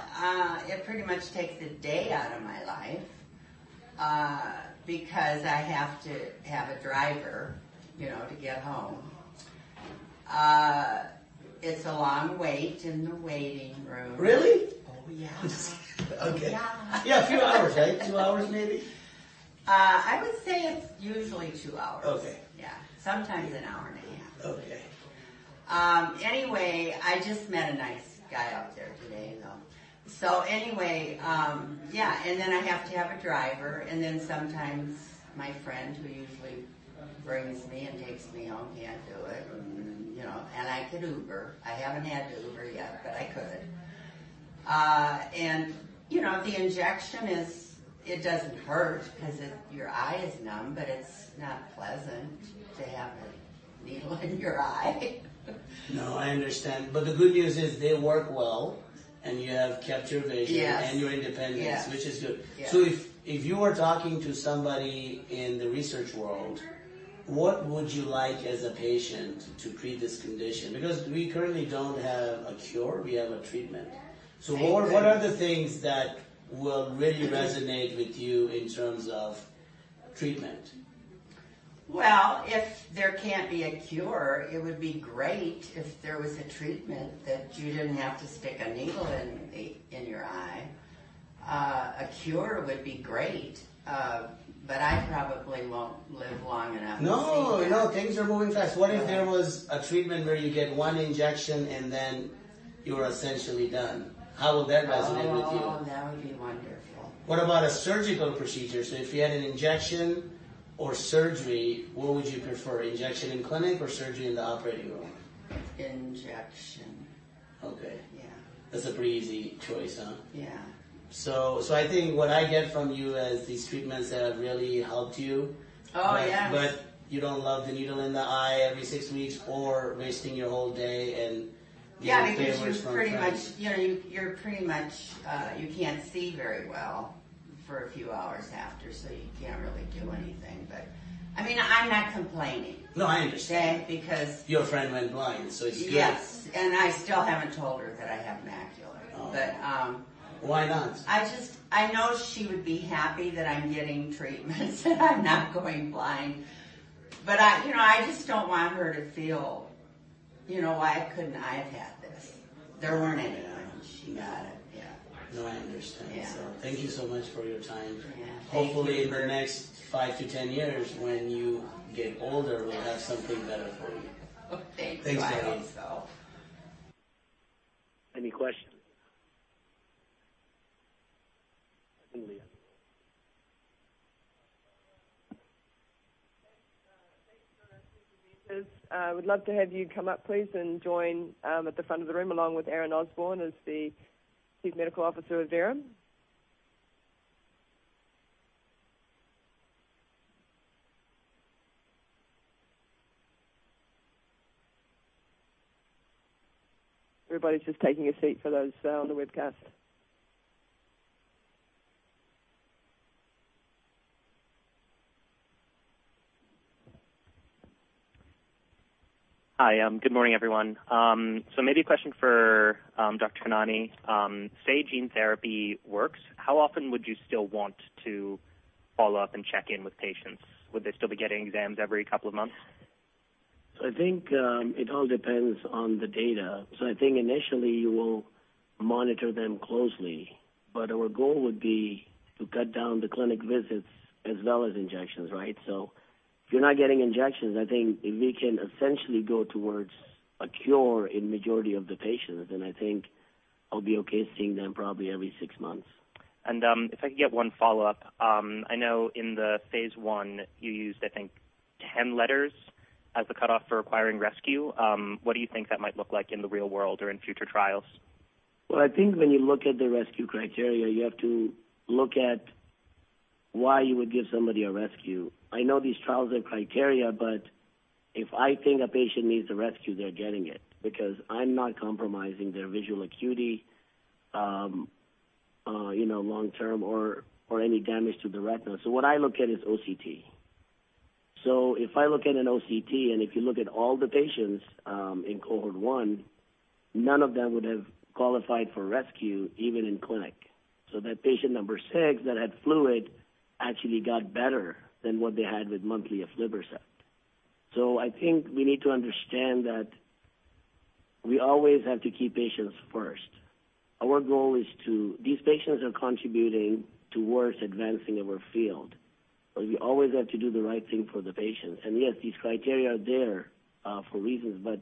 it pretty much takes a day out of my life, because I have to have a driver to get home. It's a long wait in the waiting room. Really? Oh, yeah. Okay. Yeah. Yeah, a few hours, right? Two hours maybe? I would say it's usually two hours. Okay. Yeah. Sometimes an hour and a half. Okay. Anyway, I just met a nice guy out there today, though. Anyway, yeah, and then I have to have a driver, and then sometimes my friend who usually brings me and takes me home can't do it. I could Uber. I haven't had to Uber yet, but I could. The injection, it doesn't hurt because your eye is numb, but it's not pleasant to have a needle in your eye. No, I understand. The good news is they work well, and you have kept your vision. Yes. Your independence. Yes. Which is good. Yeah. If you were talking to somebody in the research world, what would you like as a patient to treat this condition? Because we currently don't have a cure. We have a treatment. Thank you. What are the things that will really resonate with you in terms of treatment? Well, if there can't be a cure, it would be great if there was a treatment that you didn't have to stick a needle in your eye. A cure would be great, but I probably won't live long enough to see it. No. Things are moving fast. Right. What if there was a treatment where you get one injection, and then you are essentially done? How will that resonate with you? Oh, that would be wonderful. What about a surgical procedure? If you had an injection or surgery, what would you prefer? Injection in clinic or surgery in the operating room? Injection. Okay. Yeah. That's a pretty easy choice, huh? Yeah. I think what I get from you is these treatments have really helped you. Oh, yes. You don't love the needle in the eye every six weeks or wasting your whole day and being away from friends. Yeah, because you can't see very well for a few hours after, so you can't really do anything. I'm not complaining. No, I understand. Because- Your friend went blind, so it's good. Yes. I still haven't told her that I have macular. Oh. But- Why not? I know she would be happy that I'm getting treatments and I'm not going blind, but I just don't want her to feel, "Why couldn't I have had this?" There weren't any when she got it. Yeah. No, I understand. Yeah. Thank you so much for your time. Yeah. Thank you. Hopefully, in the next five to 10 years, when you get older, we'll have something better for you. Oh, thanks. Thanks, Doreen. I hope so. Any questions? Thank you Leone. Thanks for those presentations. I would love to have you come up please and join at the front of the room, along with Aaron Osborne as the Chief Medical Officer of Adverum. Everybody's just taking a seat for those on the webcast. Hi. Good morning, everyone. Maybe a question for Dr. Khanani. Say gene therapy works, how often would you still want to follow up and check in with patients? Would they still be getting exams every couple of months? I think it all depends on the data. I think initially you will monitor them closely, but our goal would be to cut down the clinic visits as well as injections, right? If you're not getting injections, I think we can essentially go towards a cure in majority of the patients, and I think I'll be okay seeing them probably every six months. If I could get one follow-up. I know in the phase I you used, I think, 10 letters as the cutoff for requiring rescue. What do you think that might look like in the real world or in future trials? Well, I think when you look at the rescue criteria, you have to look at why you would give somebody a rescue. I know these trials have criteria, if I think a patient needs a rescue, they're getting it because I'm not compromising their visual acuity long term or any damage to the retina. What I look at is OCT. If I look at an OCT, and if you look at all the patients in Cohort 1, none of them would have qualified for rescue, even in clinic. That patient number six that had fluid actually got better than what they had with monthly EYLEA. I think we need to understand that we always have to keep patients first. These patients are contributing towards advancing our field, but we always have to do the right thing for the patients. Yes, these criteria are there for reasons, but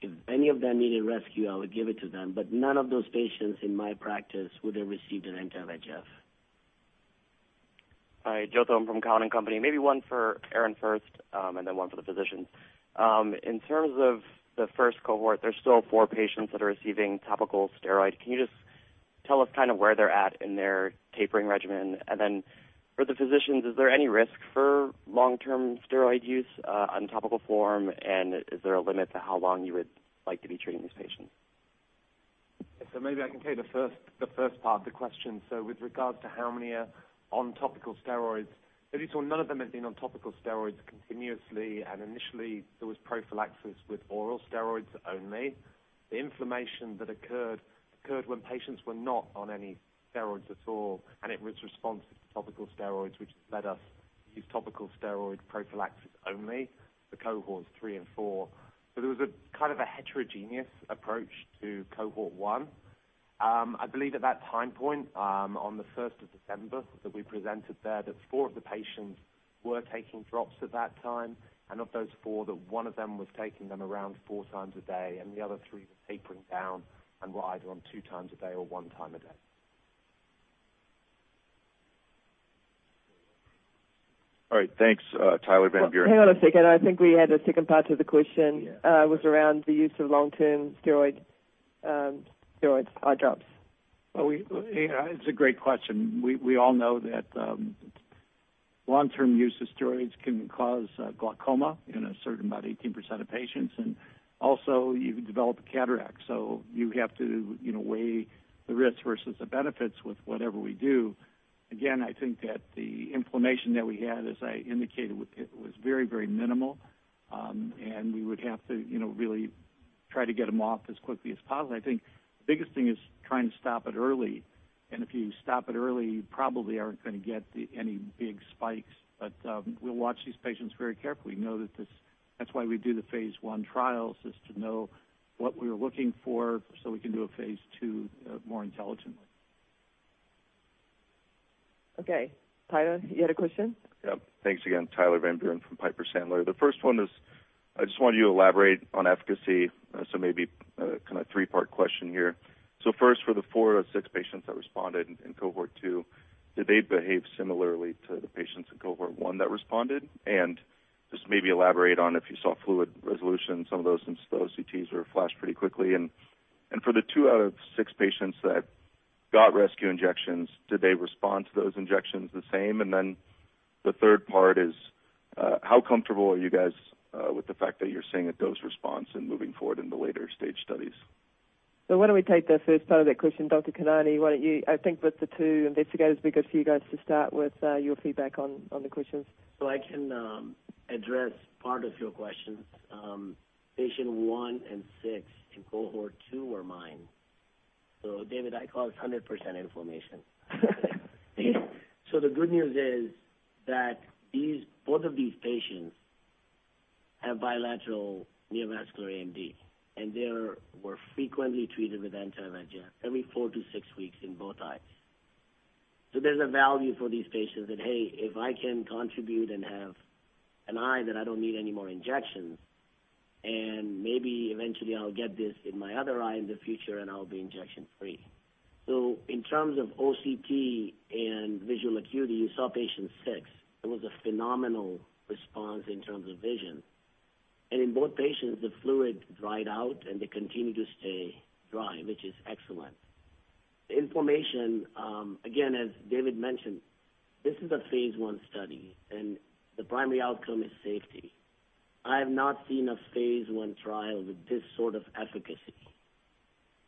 if any of them need a rescue, I would give it to them. None of those patients in my practice would have received an anti-VEGF. Hi, Joseph Thome from Cowen and Company. Maybe one for Aaron first, then one for the physicians. In terms of the first cohort, there's still four patients that are receiving topical steroids. Can you just tell us where they're at in their tapering regimen? Then for the physicians, is there any risk for long-term steroid use on topical form? Is there a limit to how long you would like to be treating these patients? Maybe I can take the first part of the question. With regard to how many are on topical steroids, at least none of them have been on topical steroids continuously, and initially there was prophylaxis with oral steroids only. The inflammation that occurred when patients were not on any steroids at all, and it was responsive to topical steroids, which led us to use topical steroid prophylaxis only for Cohorts 3 and 4. There was a heterogeneous approach to Cohort 1. I believe at that time point, on the 1st of December, that we presented there, that four of the patients were taking drops at that time. Of those four, that one of them was taking them around four times a day, and the other three were tapering down and were either on two times a day or one time a day. All right. Thanks. Tyler Van Buren. Hang on a second. I think we had a second part to the question. Yeah. Was around the use of long-term steroid eye drops. Well, it's a great question. We all know that long-term use of steroids can cause glaucoma in a certain, about 18% of patients, also you can develop cataracts. You have to weigh the risks versus the benefits with whatever we do. Again, I think that the inflammation that we had, as I indicated, it was very minimal. We would have to really try to get them off as quickly as possible. I think the biggest thing is trying to stop it early. If you stop it early, you probably aren't going to get any big spikes. We'll watch these patients very carefully. That's why we do the phase I trials, is to know what we're looking for so we can do a phase II more intelligently. Okay. Tyler, you had a question? Yep. Thanks again. Tyler Van Buren from Piper Sandler. The first one is, I just wanted you to elaborate on efficacy. Maybe a three-part question here. First, for the four out of six patients that responded in Cohort 2, did they behave similarly to the patients in Cohort 1 that responded? Just maybe elaborate on if you saw fluid resolution in some of those, since the OCTs were flashed pretty quickly. For the two out of six patients that got rescue injections, did they respond to those injections the same? The third part is, how comfortable are you guys with the fact that you're seeing a dose response and moving forward in the later stage studies? Why don't we take the first part of that question. Dr. Khanani, I think with the two investigators, be good for you guys to start with your feedback on the questions. I can address part of your questions. Patient one and six in Cohort 2 were mine. David, I call it 100% inflammation. The good news is that both of these patients have bilateral neovascular AMD, and they were frequently treated with anti-VEGF every four to six weeks in both eyes. There's a value for these patients that, hey, if I can contribute and have an eye that I don't need any more injections, and maybe eventually I'll get this in my other eye in the future, and I'll be injection free. In terms of OCT and visual acuity, you saw patient six. There was a phenomenal response in terms of vision. In both patients, the fluid dried out, and they continue to stay dry, which is excellent. The inflammation, again, as David mentioned, this is a phase I study, and the primary outcome is safety. I have not seen a phase I trial with this sort of efficacy.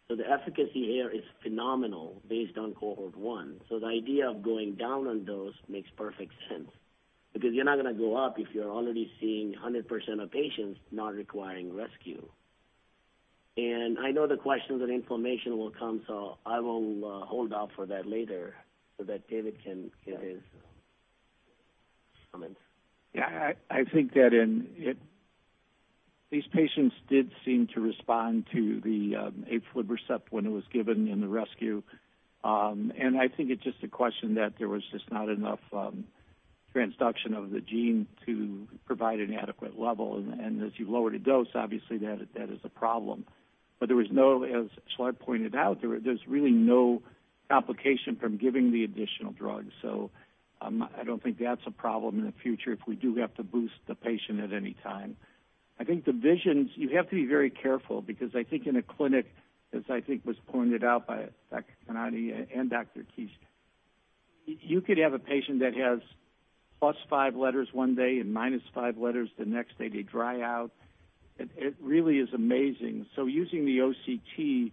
The efficacy here is phenomenal based on Cohort 1. The idea of going down on dose makes perfect sense because you're not going to go up if you're already seeing 100% of patients not requiring rescue. I know the questions on inflammation will come, so I will hold off for that later so that David can give his comments. Yeah, I think that these patients did seem to respond to the aflibercept when it was given in the rescue. I think it's just a question that there was just not enough transduction of the gene to provide an adequate level. As you lower the dose, obviously that is a problem. There was no, as Szilárd pointed out, there's really no complication from giving the additional drug. I don't think that's a problem in the future if we do have to boost the patient at any time. I think the visions, you have to be very careful because I think in a clinic, as I think was pointed out by Dr. Khanani and Dr. Kiss, you could have a patient that has plus five letters one day and minus five letters the next day. They dry out. It really is amazing. Using the OCT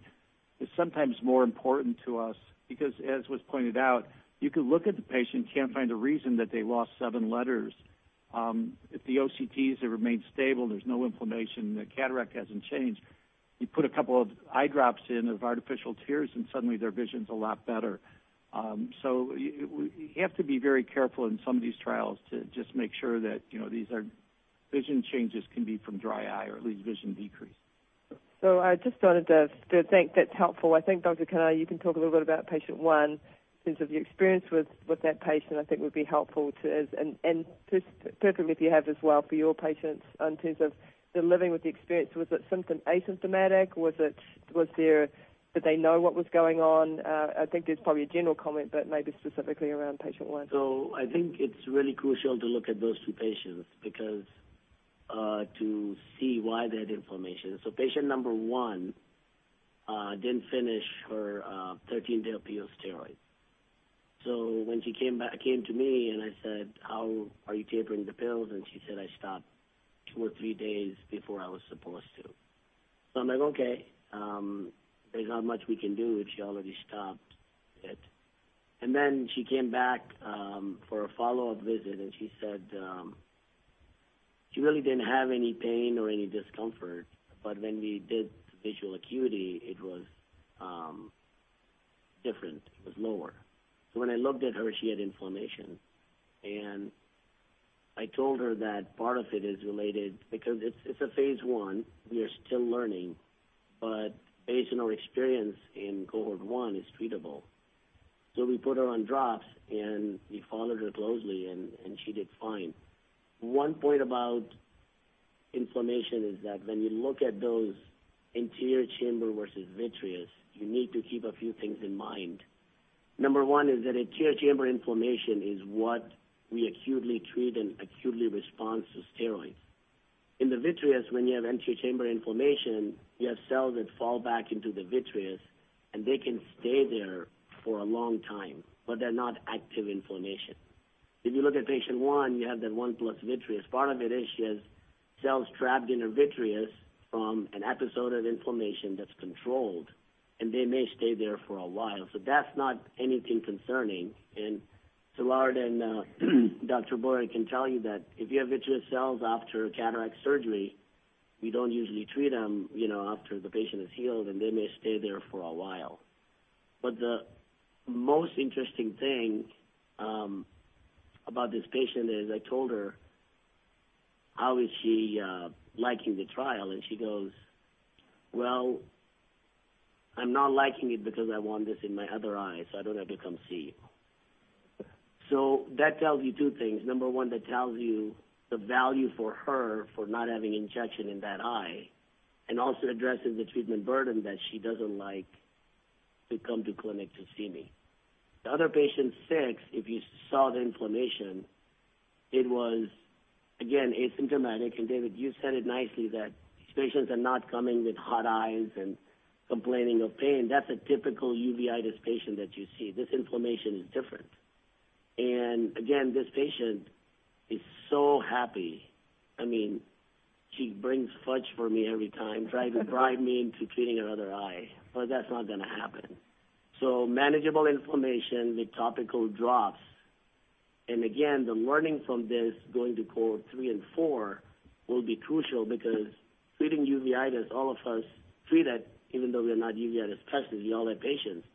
is sometimes more important to us because, as was pointed out, you could look at the patient and can't find a reason that they lost seven letters. If the OCTs have remained stable, there's no inflammation, the cataract hasn't changed. You put a couple of eye drops in of artificial tears and suddenly their vision's a lot better. You have to be very careful in some of these trials to just make sure that vision changes can be from dry eye or at least vision decrease. I just wanted to thank. That's helpful. I think, Dr. Khanani, you can talk a little bit about patient one in terms of your experience with that patient, I think would be helpful too. Arshad, if you have as well for your patients in terms of their living with the experience. Was it symptom asymptomatic? Did they know what was going on? I think that's probably a general comment, but maybe specifically around patient one. I think it's really crucial to look at those two patients because to see why they had inflammation. Patient number one didn't finish her 13-day oral steroid. When she came to me and I said, "How are you tapering the pills?" She said, "I stopped two or three days before I was supposed to." I'm like, "Okay. There's not much we can do if she already stopped it." She came back for a follow-up visit, and she said she really didn't have any pain or any discomfort, but when we did the visual acuity, it was different. It was lower. When I looked at her, she had inflammation, and I told her that part of it is related because it's a phase I. We are still learning, but based on our experience in Cohort 1, it's treatable. We put her on drops, and we followed her closely, and she did fine. One point about inflammation is that when you look at those anterior chamber versus vitreous, you need to keep a few things in mind. Number one is that anterior chamber inflammation is what we acutely treat and acutely responds to steroids. In the vitreous, when you have anterior chamber inflammation, you have cells that fall back into the vitreous, and they can stay there for a long time, but they're not active inflammation. If you look at patient one, you have that one plus vitreous. Part of it is she has cells trapped in her vitreous from an episode of inflammation that's controlled, and they may stay there for a while. That's not anything concerning. Szilárd and Dr. Boyer can tell you that if you have vitreous cells after cataract surgery, we don't usually treat them after the patient is healed, and they may stay there for a while. The most interesting thing about this patient is I told her, how is she liking the trial? She goes, "Well, I'm not liking it because I want this in my other eye, so I don't have to come see you." That tells you two things. Number one, that tells you the value for her for not having injection in that eye and also addresses the treatment burden that she doesn't like to come to clinic to see me. The other patient six, if you saw the inflammation, it was, again, asymptomatic. David, you said it nicely that these patients are not coming with hot eyes and complaining of pain. That's a typical uveitis patient that you see. This inflammation is different. Again, this patient is so happy. She brings fudge for me every time, trying to bribe me into treating her other eye, but that's not going to happen. Manageable inflammation with topical drops. Again, the learning from this going to Cohort 3 and 4 will be crucial because treating uveitis, all of us treat it, even though we're not uveitis specialists, we all have patients.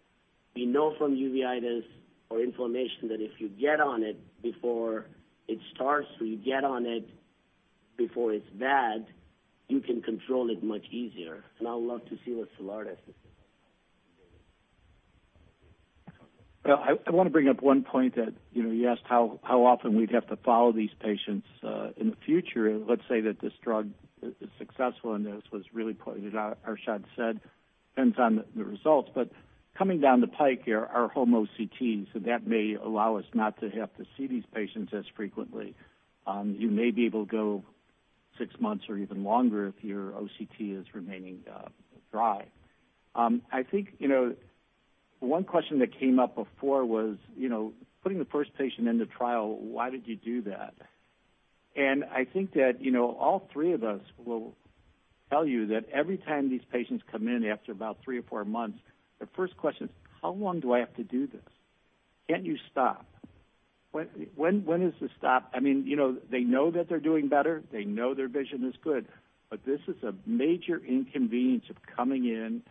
We know from uveitis or inflammation that if you get on it before it starts, or you get on it before it's bad, you can control it much easier. I would love to see what Szilárd has to say. I want to bring up one point that you asked how often we'd have to follow these patients in the future. Let's say that this drug is successful, and this was really pointed out, Arshad said, depends on the results. Coming down the pike here are home OCTs, so that may allow us not to have to see these patients as frequently. You may be able to go six months or even longer if your OCT is remaining dry. I think one question that came up before was putting the first patient in the trial, why did you do that? I think that all three of us will tell you that every time these patients come in after about three or four months, their first question is, how long do I have to do this? Can't you stop? When is the stop? They know that they're doing better. They know their vision is good. This is a major inconvenience of coming in,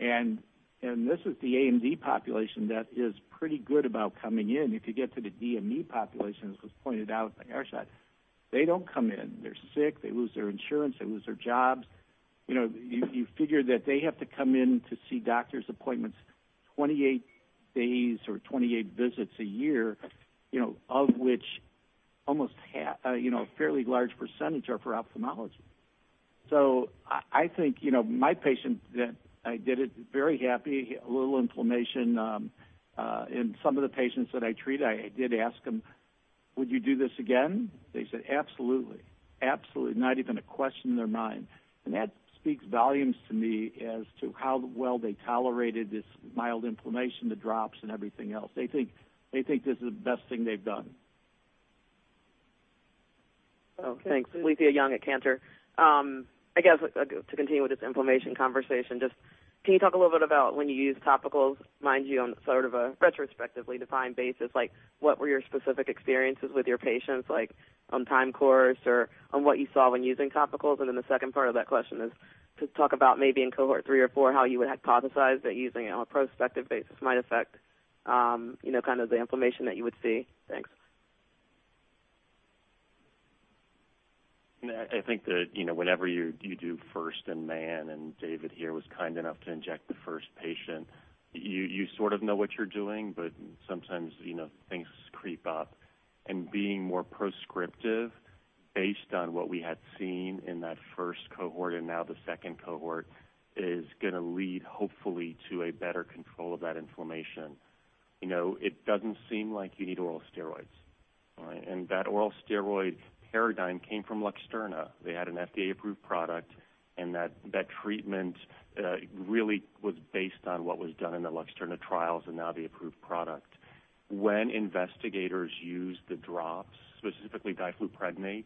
and this is the AMD population that is pretty good about coming in. If you get to the DME population, as was pointed out by Arshad, they don't come in. They're sick. They lose their insurance. They lose their jobs. You figure that they have to come in to see doctor's appointments 28 days or 28 visits a year, of which almost half, a fairly large percentage are for ophthalmology. I think my patient that I did it, very happy, a little inflammation. In some of the patients that I treat, I did ask them, would you do this again? They said, absolutely. Absolutely. Not even a question in their mind. That speaks volumes to me as to how well they tolerated this mild inflammation, the drops, and everything else. They think this is the best thing they've done. Oh, thanks. Alethia Young at Cantor. I guess to continue with this inflammation conversation, just can you talk a little bit about when you use topicals, mind you, on sort of a retrospectively defined basis, what were your specific experiences with your patients on time course or on what you saw when using topicals? The second part of that question is to talk about maybe in Cohort 3 or 4, how you would hypothesize that using it on a prospective basis might affect the inflammation that you would see. Thanks. I think that whenever you do first in man, and David here was kind enough to inject the first patient, you sort of know what you're doing, but sometimes things creep up. Being more proscriptive based on what we had seen in that first cohort and now the second cohort is going to lead, hopefully, to a better control of that inflammation. It doesn't seem like you need oral steroids. That oral steroid paradigm came from LUXTURNA. They had an FDA-approved product, and that treatment really was based on what was done in the LUXTURNA trials and now the approved product. When investigators used the drops, specifically difluprednate,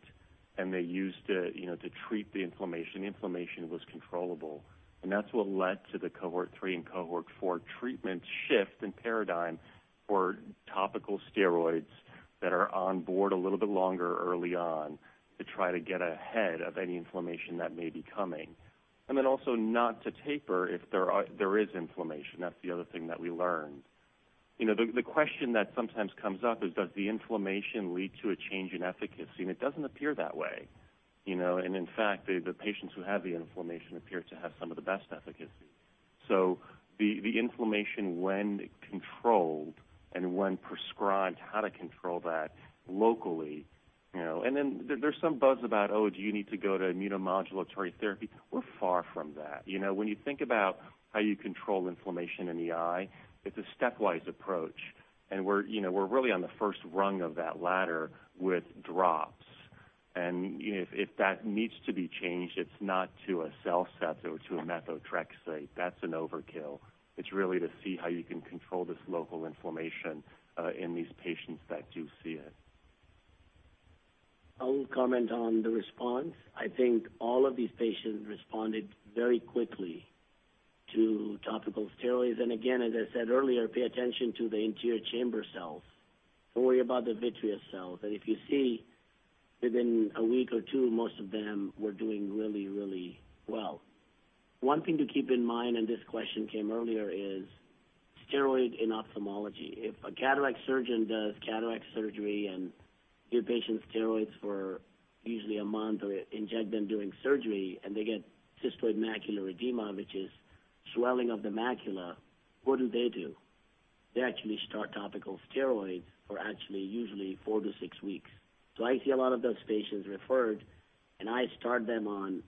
and they used it to treat the inflammation, the inflammation was controllable. That's what led to the Cohort 3 and Cohort 4 treatment shift in paradigm for topical steroids that are on board a little bit longer early on to try to get ahead of any inflammation that may be coming. Also not to taper if there is inflammation. That's the other thing that we learned. The question that sometimes comes up is, does the inflammation lead to a change in efficacy? It doesn't appear that way. In fact, the patients who have the inflammation appear to have some of the best efficacy. The inflammation, when controlled and when prescribed how to control that locally. There's some buzz about, oh, do you need to go to immunomodulatory therapy? We're far from that. When you think about how you control inflammation in the eye, it's a stepwise approach. We're really on the first rung of that ladder with drops. If that needs to be changed, it's not to a CellCept or to a methotrexate. That's an overkill. It's really to see how you can control this local inflammation in these patients that do see it. I'll comment on the response. I think all of these patients responded very quickly to topical steroids. Again, as I said earlier, pay attention to the anterior chamber cells. Don't worry about the vitreous cells. If you see within a week or two, most of them were doing really, really well. One thing to keep in mind, and this question came earlier, is steroids in ophthalmology. If a cataract surgeon does cataract surgery and give patients steroids for usually a month or inject them during surgery, and they get cystoid macular edema, which is swelling of the macula, what do they do? They actually start topical steroids for actually usually four to six weeks. I see a lot of those patients referred, and I start them on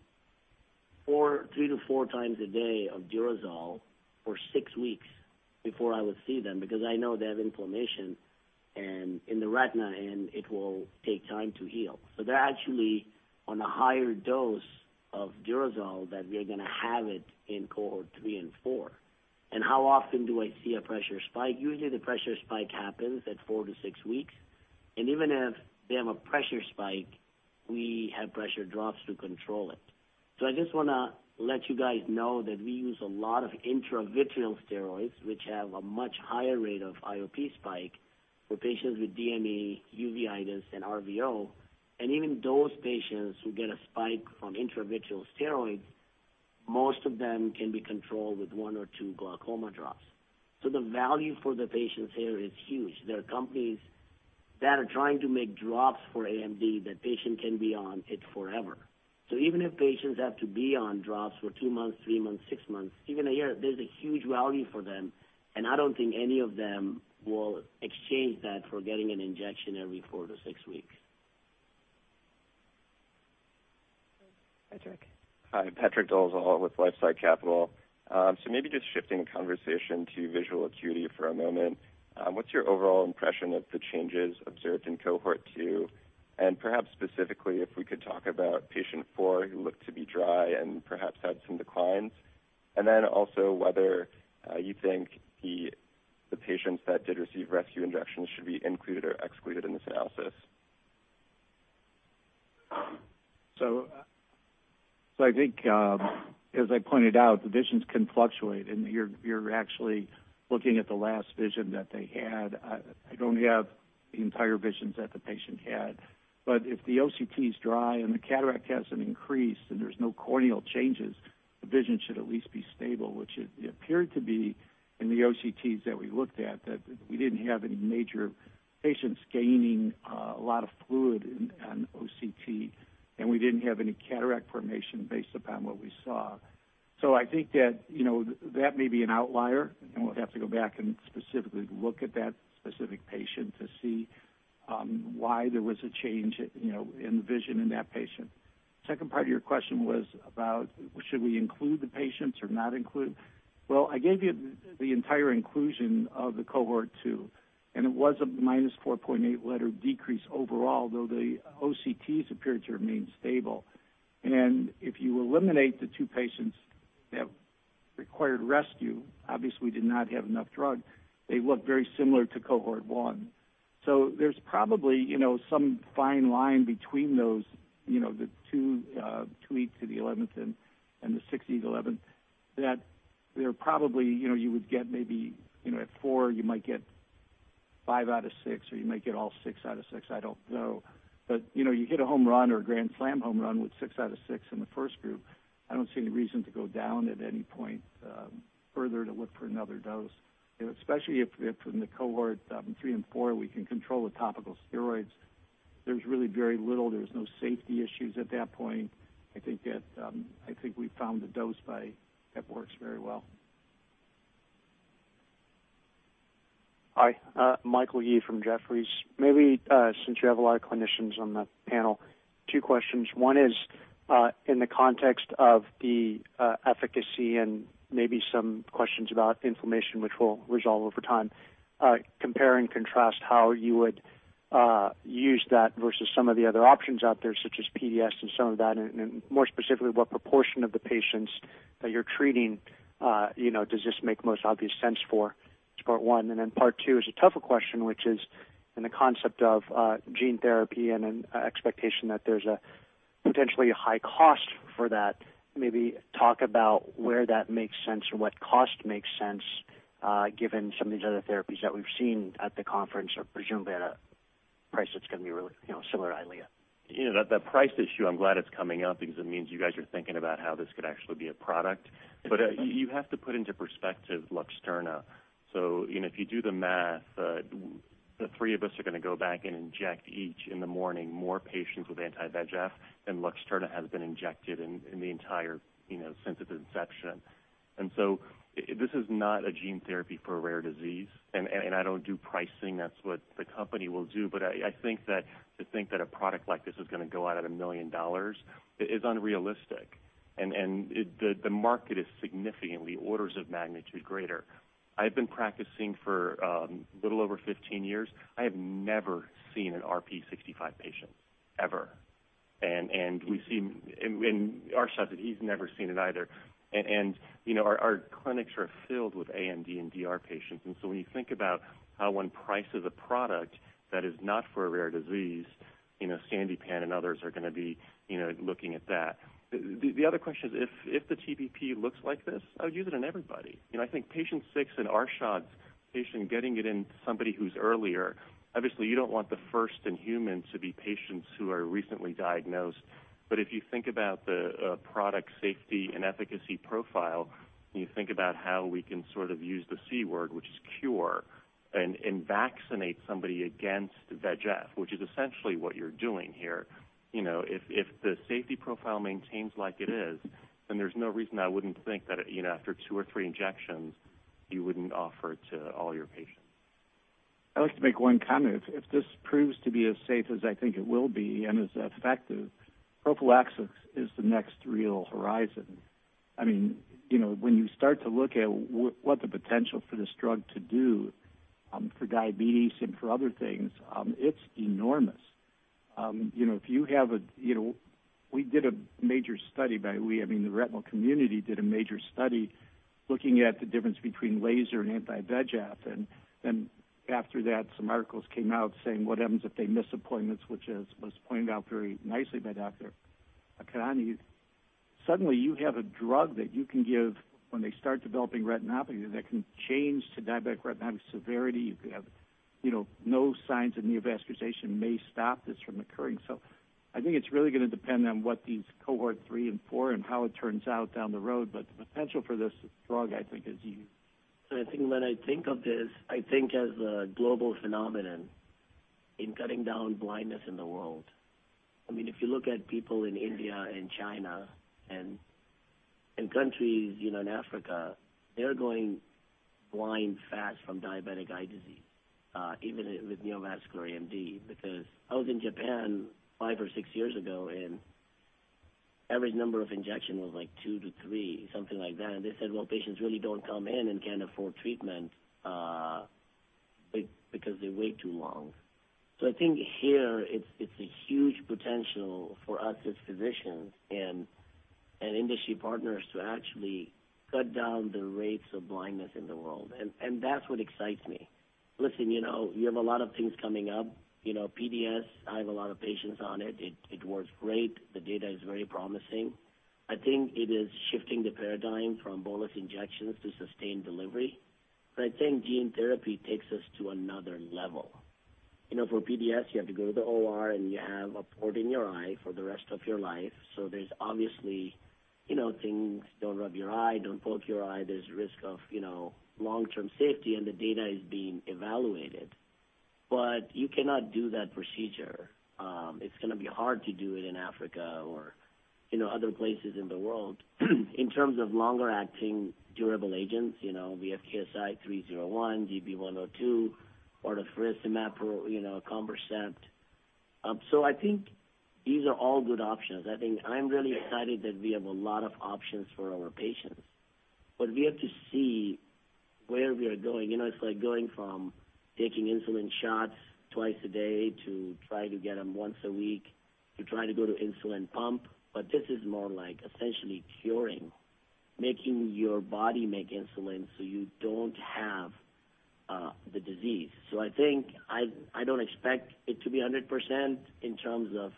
three to four times a day of DUREZOL for six weeks before I would see them, because I know they have inflammation in the retina, and it will take time to heal. They're actually on a higher dose of DUREZOL than we're going to have it in Cohort 3 and 4. How often do I see a pressure spike? Usually, the pressure spike happens at four to six weeks. Even if they have a pressure spike, we have pressure drops to control it. I just want to let you guys know that we use a lot of intravitreal steroids, which have a much higher rate of IOP spike for patients with DME, uveitis, and RVO. Even those patients who get a spike from intravitreal steroids, most of them can be controlled with one or two glaucoma drops. The value for the patients here is huge. There are companies that are trying to make drops for AMD. The patient can be on it forever. Even if patients have to be on drops for two months, three months, six months, even a year, there's a huge value for them, and I don't think any of them will exchange that for getting an injection every four to six weeks. Patrick. Hi. Patrick Dolezal with LifeSci Capital. Maybe just shifting the conversation to visual acuity for a moment. What's your overall impression of the changes observed in Cohort 2? Perhaps specifically, if we could talk about Patient four, who looked to be dry and perhaps had some declines. Then also whether you think the patients that did receive rescue injections should be included or excluded in this analysis. I think, as I pointed out, the visions can fluctuate, and you're actually looking at the last vision that they had. I don't have the entire visions that the patient had. If the OCT's dry and the cataract hasn't increased and there's no corneal changes, the vision should at least be stable, which it appeared to be in the OCTs that we looked at, that we didn't have any major patients gaining a lot of fluid on OCT, and we didn't have any cataract formation based upon what we saw. I think that may be an outlier, and we'll have to go back and specifically look at that specific patient to see why there was a change in the vision in that patient. Second part of your question was about should we include the patients or not include. Well, I gave you the entire inclusion of the Cohort 2. It was a -4.8 letter decrease overall, though the OCTs appeared to remain stable. If you eliminate the two patients that required rescue, obviously did not have enough drug, they look very similar to Cohort 1. There's probably some fine line between those, the two to the 11th and the 60 to the 11th, that there probably you would get maybe at four, you might get five out of six, or you might get all six out of six. I don't know. You hit a home run or a grand slam home run with six out of six in the first group. I don't see any reason to go down at any point further to look for another dose, especially if in the Cohort 3 and 4, we can control the topical steroids. There's really very little. There's no safety issues at that point. I think we found the dose that works very well. Hi. Mike Yee from Jefferies. Maybe since you have a lot of clinicians on the panel, two questions. One is in the context of the efficacy and maybe some questions about inflammation, which will resolve over time, compare and contrast how you would use that versus some of the other options out there, such as PDS and some of that. More specifically, what proportion of the patients that you're treating does this make most obvious sense for? That's part one. Part two is a tougher question, which is in the concept of gene therapy and an expectation that there's potentially a high cost for that. Maybe talk about where that makes sense or what cost makes sense given some of these other therapies that we've seen at the conference are presumably at a price that's going to be really similar, EYLEA. That price issue, I'm glad it's coming up because it means you guys are thinking about how this could actually be a product. You have to put into perspective LUXTURNA. If you do the math, the three of us are going to go back and inject each, in the morning, more patients with anti-VEGF than LUXTURNA has been injected in the entire sense of inception. This is not a gene therapy for a rare disease. I don't do pricing. That's what the company will do. I think that to think that a product like this is going to go out at $1 million is unrealistic. The market is significantly orders of magnitude greater. I've been practicing for a little over 15 years. I have never seen an RPE65 patient, ever. Arshad, he's never seen it either. Our clinics are filled with AMD and DR patients. When you think about how one prices a product that is not for a rare disease, Sandipan and others are going to be looking at that. The other question is, if the TPP looks like this, I would use it on everybody. I think patient six and Arshad's patient, getting it into somebody who's earlier, obviously, you don't want the first in humans to be patients who are recently diagnosed. If you think about the product safety and efficacy profile, and you think about how we can sort of use the C word, which is cure, and vaccinate somebody against VEGF, which is essentially what you're doing here. If the safety profile maintains like it is, then there's no reason I wouldn't think that after two or three injections, you wouldn't offer to all your patients. I'd like to make one comment. If this proves to be as safe as I think it will be and as effective, prophylaxis is the next real horizon. You start to look at what the potential for this drug to do for diabetes and for other things, it's enormous. We did a major study. By we, I mean the retinal community did a major study looking at the difference between laser and anti-VEGF. After that, some articles came out saying what happens if they miss appointments, which was pointed out very nicely by Dr. Khanani. Suddenly you have a drug that you can give when they start developing retinopathy that can change to diabetic retinopathy severity. You could have no signs of neovascularization may stop this from occurring. I think it's really going to depend on what these Cohort 3 and 4 and how it turns out down the road. The potential for this drug, I think, is huge. I think when I think of this, I think as a global phenomenon in cutting down blindness in the world. If you look at people in India and China and countries in Africa, they're going blind fast from diabetic eye disease, even with neovascular AMD. I was in Japan five or six years ago, and average number of injection was two to three, something like that. They said, "Well, patients really don't come in and can't afford treatment because they wait too long." I think here it's a huge potential for us as physicians and industry partners to actually cut down the rates of blindness in the world. That's what excites me. Listen, you have a lot of things coming up. PDS, I have a lot of patients on it. It works great. The data is very promising. I think it is shifting the paradigm from bolus injections to sustained delivery. I think gene therapy takes us to another level. For PDS, you have to go to the OR, and you have a port in your eye for the rest of your life. There's obviously things, don't rub your eye, don't poke your eye. There's risk of long-term safety, and the data is being evaluated. You cannot do that procedure. It's going to be hard to do it in Africa or other places in the world. In terms of longer-acting durable agents. We have KSI-301, GB-102, Vortaris, Semapro, conbercept. I think these are all good options. I think I'm really excited that we have a lot of options for our patients, but we have to see where we are going. It's like going from taking insulin shots twice a day to try to get them once a week to try to go to insulin pump. This is more like essentially curing, making your body make insulin so you don't have the disease. I think I don't expect it to be 100% in terms of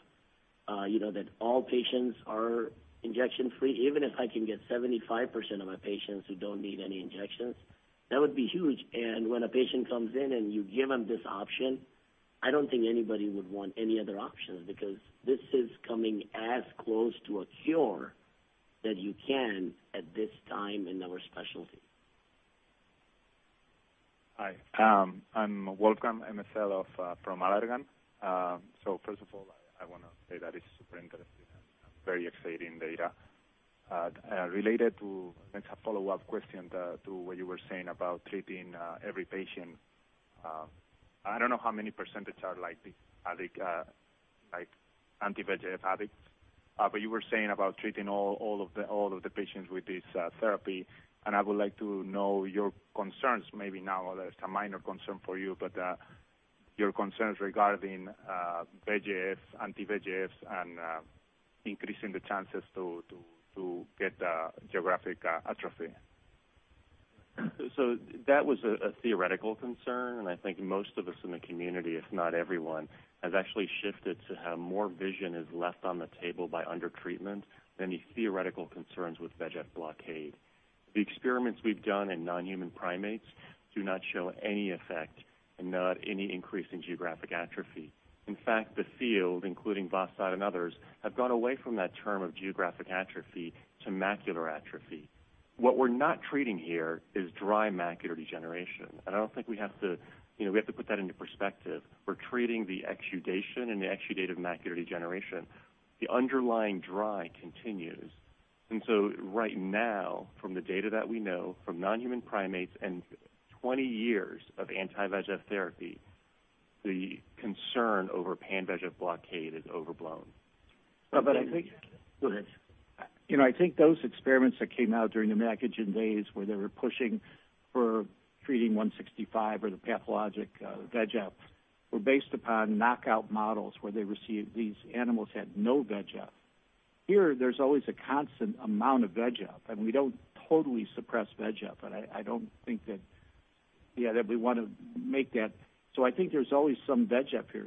that all patients are injection free. Even if I can get 75% of my patients who don't need any injections, that would be huge. When a patient comes in and you give them this option, I don't think anybody would want any other option because this is coming as close to a cure that you can at this time in our specialty. Hi, I'm Wulkan, MSL from Allergan. First of all, I want to say that it's super interesting and very exciting data. It's a follow-up question to what you were saying about treating every patient. I don't know how many percentage are like anti-VEGF addicts. You were saying about treating all of the patients with this therapy. I would like to know your concerns, maybe now there's a minor concern for you, but your concerns regarding VEGF, anti-VEGFs, and increasing the chances to get geographic atrophy. That was a theoretical concern, and I think most of us in the community, if not everyone, has actually shifted to how more vision is left on the table by under-treatment than the theoretical concerns with VEGF blockade. The experiments we've done in non-human primates do not show any effect and not any increase in geographic atrophy. In fact, the field, including Vas Sadda and others, have gone away from that term of geographic atrophy to macular atrophy. What we're not treating here is dry macular degeneration, and I don't think we have to put that into perspective. We're treating the exudation and the exudative macular degeneration. The underlying dry continues. Right now, from the data that we know, from non-human primates and 20 years of anti-VEGF therapy, the concern over pan-VEGF blockade is overblown. But I think- Go ahead. I think those experiments that came out during the Macugen days where they were pushing for treating VEGF-165 or the pathologic VEGF were based upon knockout models where these animals had no VEGF. Here, there's always a constant amount of VEGF, and we don't totally suppress VEGF, but I don't think that we want to make that. I think there's always some VEGF here.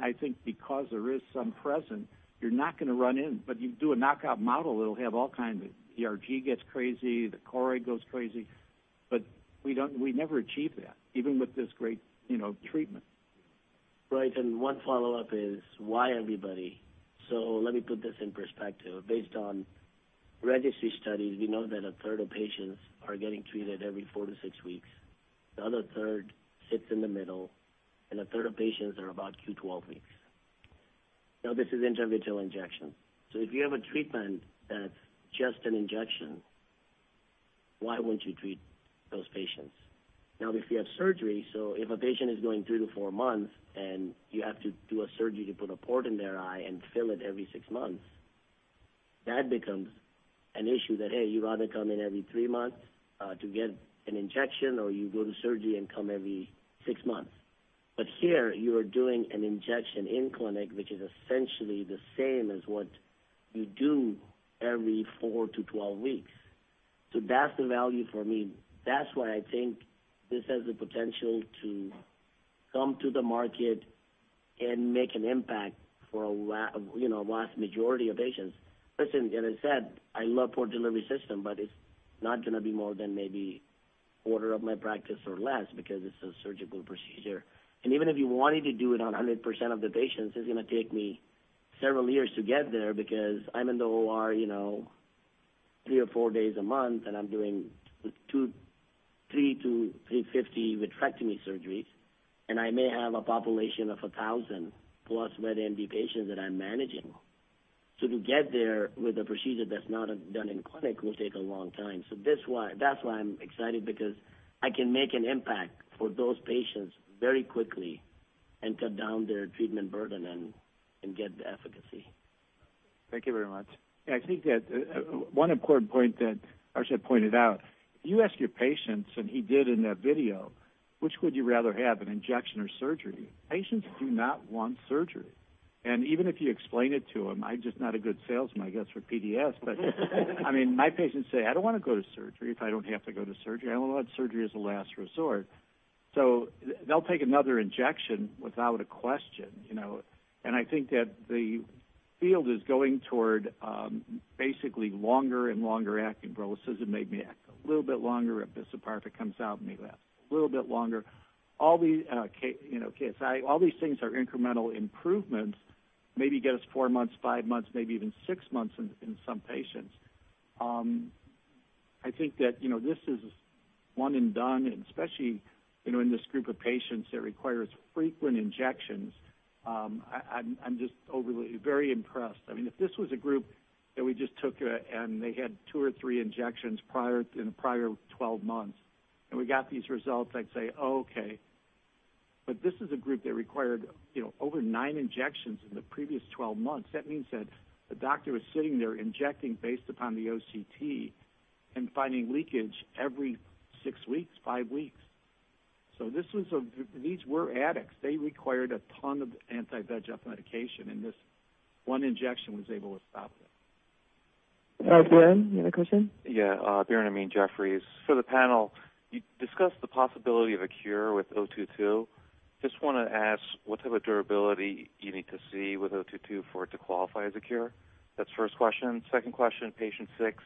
I think because there is some present, you're not going to run in, but you do a knockout model, it'll have all kinds of ERG gets crazy, the choroid goes crazy. We never achieve that, even with this great treatment. Right. One follow-up is why everybody? Let me put this in perspective. Based on registry studies, we know that a third of patients are getting treated every four to six weeks. The other third sits in the middle, and a third of patients are about Q12 weeks. This is intravitreal injection. If you have a treatment that's just an injection, why wouldn't you treat those patients? If you have surgery, so if a patient is going three to four months and you have to do a surgery to put a port in their eye and fill it every six months, that becomes an issue that, hey, you'd rather come in every three months to get an injection, or you go to surgery and come every six months. Here you are doing an injection in clinic, which is essentially the same as what you do every 4-12 weeks. That's the value for me. That's why I think this has the potential to come to the market and make an impact for a vast majority of patients. Listen, I said, I love Port Delivery System, but it's not going to be more than maybe a quarter of my practice or less because it's a surgical procedure. Even if you wanted to do it on 100% of the patients, it's going to take me several years to get there because I'm in the OR three or four days a month, and I'm doing, 3-350 vitrectomy surgeries, and I may have a population of 1,000+ wet AMD patients that I'm managing. To get there with a procedure that's not done in clinic will take a long time. That's why I'm excited because I can make an impact for those patients very quickly and cut down their treatment burden and get the efficacy. Thank you very much. Yeah, I think that one important point that Arshad pointed out, if you ask your patients, and he did in that video, which would you rather have, an injection or surgery? Patients do not want surgery. Even if you explain it to them, I'm just not a good salesman, I guess, for PDS. My patients say, "I don't want to go to surgery if I don't have to go to surgery. I want surgery as a last resort." They'll take another injection without a question. I think that the field is going toward basically longer and longer-acting. brolucizumab made me act a little bit longer. aflibercept comes out, maybe lasts a little bit longer. All these, KSI-301, all these things are incremental improvements, maybe get us four months, five months, maybe even six months in some patients. I think that this is one and done, especially in this group of patients that requires frequent injections. I'm just very impressed. If this was a group that we just took, and they had two or three injections in the prior 12 months, and we got these results, I'd say, "Okay." This is a group that required over nine injections in the previous 12 months. That means that the doctor was sitting there injecting based upon the OCT and finding leakage every six weeks, five weeks. These were addicts. They required a ton of anti-VEGF medication, and this one injection was able to stop it. Biren, you had a question? Yeah. Biren Amin, Jefferies. For the panel, you discussed the possibility of a cure with 022. Just want to ask what type of durability you need to see with 022 for it to qualify as a cure? That's the first question. Second question, patient six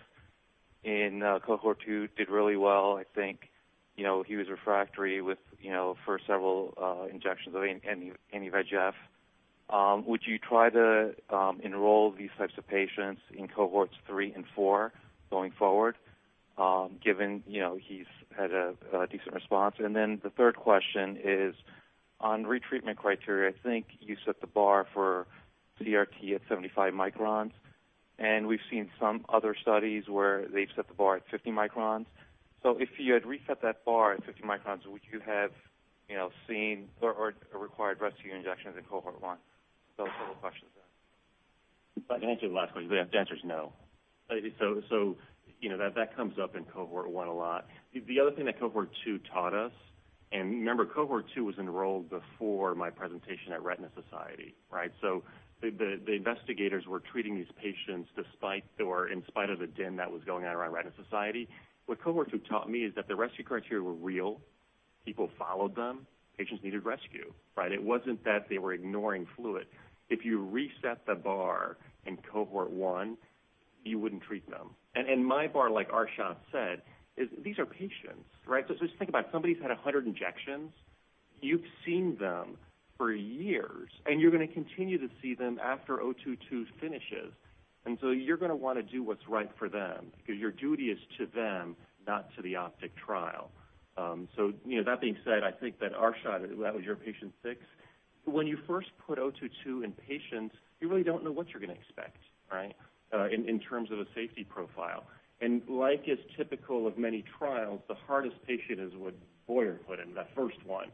in Cohort 2 did really well, I think. He was refractory with for several injections of anti-VEGF. Would you try to enroll these types of patients in Cohorts 3 and 4 going forward, given he's had a decent response? The third question is On retreatment criteria, I think you set the bar for CRT at 75 µm, and we've seen some other studies where they've set the bar at 50 µm. If you had reset that bar at 50 µm, would you have seen or required rescue injections in Cohort 1? A couple questions there. I can answer your last question. The answer is no. That comes up in Cohort 1 a lot. The other thing that Cohort 2 taught us, and remember, Cohort 2 was enrolled before my presentation at The Retina Society, right? The investigators were treating these patients despite, or in spite of the din that was going on around The Retina Society. What Cohort 2 taught me is that the rescue criteria were real. People followed them. Patients needed rescue, right? It wasn't that they were ignoring fluid. If you reset the bar in Cohort 1, you wouldn't treat them. My bar, like Arshad said, is these are patients, right? Just think about it. Somebody's had 100 injections. You've seen them for years, and you're going to continue to see them after 022 finishes. You're going to want to do what's right for them because your duty is to them, not to the OPTIC trial. That being said, I think that Arshad, that was your patient six. When you first put 022 in patients, you really don't know what you're going to expect, right, in terms of a safety profile. Like is typical of many trials, the hardest patient is what Boyer put in, that first one.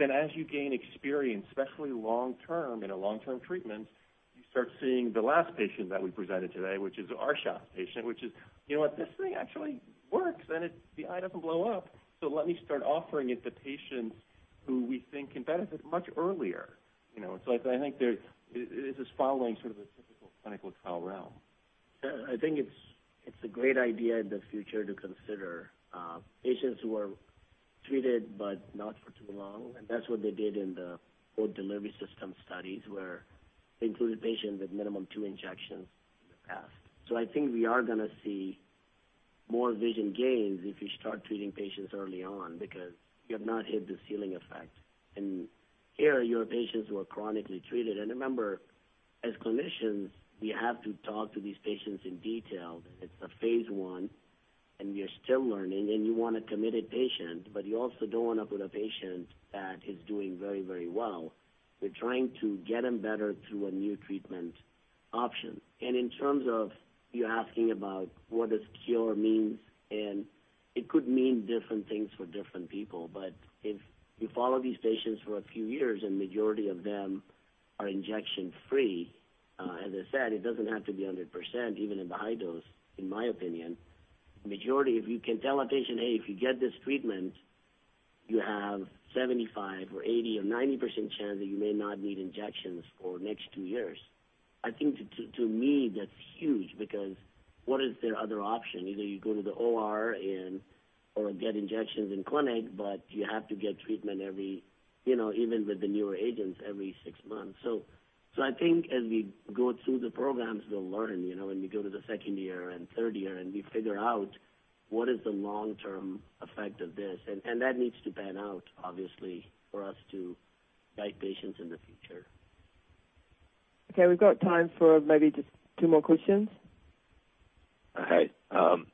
As you gain experience, especially long-term, in a long-term treatment, you start seeing the last patient that we presented today, which is Arshad's patient, which is, you know what? This thing actually works, and the eye doesn't blow up. Let me start offering it to patients who we think can benefit much earlier. I think this is following the typical clinical trial realm. I think it's a great idea in the future to consider patients who are treated, but not for too long. That's what they did in the Port Delivery System studies, where they included patients with minimum two injections in the past. I think we are going to see more vision gains if you start treating patients early on because you have not hit the ceiling effect. Here, your patients were chronically treated. Remember, as clinicians, we have to talk to these patients in detail. It's a phase I, and we are still learning, and you want a committed patient, but you also don't want to put a patient that is doing very well. We're trying to get them better through a new treatment option. In terms of you asking about what does cure mean, and it could mean different things for different people, but if you follow these patients for a few years and majority of them are injection free, as I said, it doesn't have to be 100%, even in the high dose, in my opinion. Majority, if you can tell a patient, "Hey, if you get this treatment, you have 75% or 80% or 90% chance that you may not need injections for next two years." I think to me, that's huge because what is their other option? Either you go to the OR or get injections in clinic, but you have to get treatment every, even with the newer agents, every six months. I think as we go through the programs, we'll learn. When we go to the second year and third year and we figure out what is the long-term effect of this. That needs to pan out, obviously, for us to guide patients in the future. Okay, we've got time for maybe just two more questions. Okay. I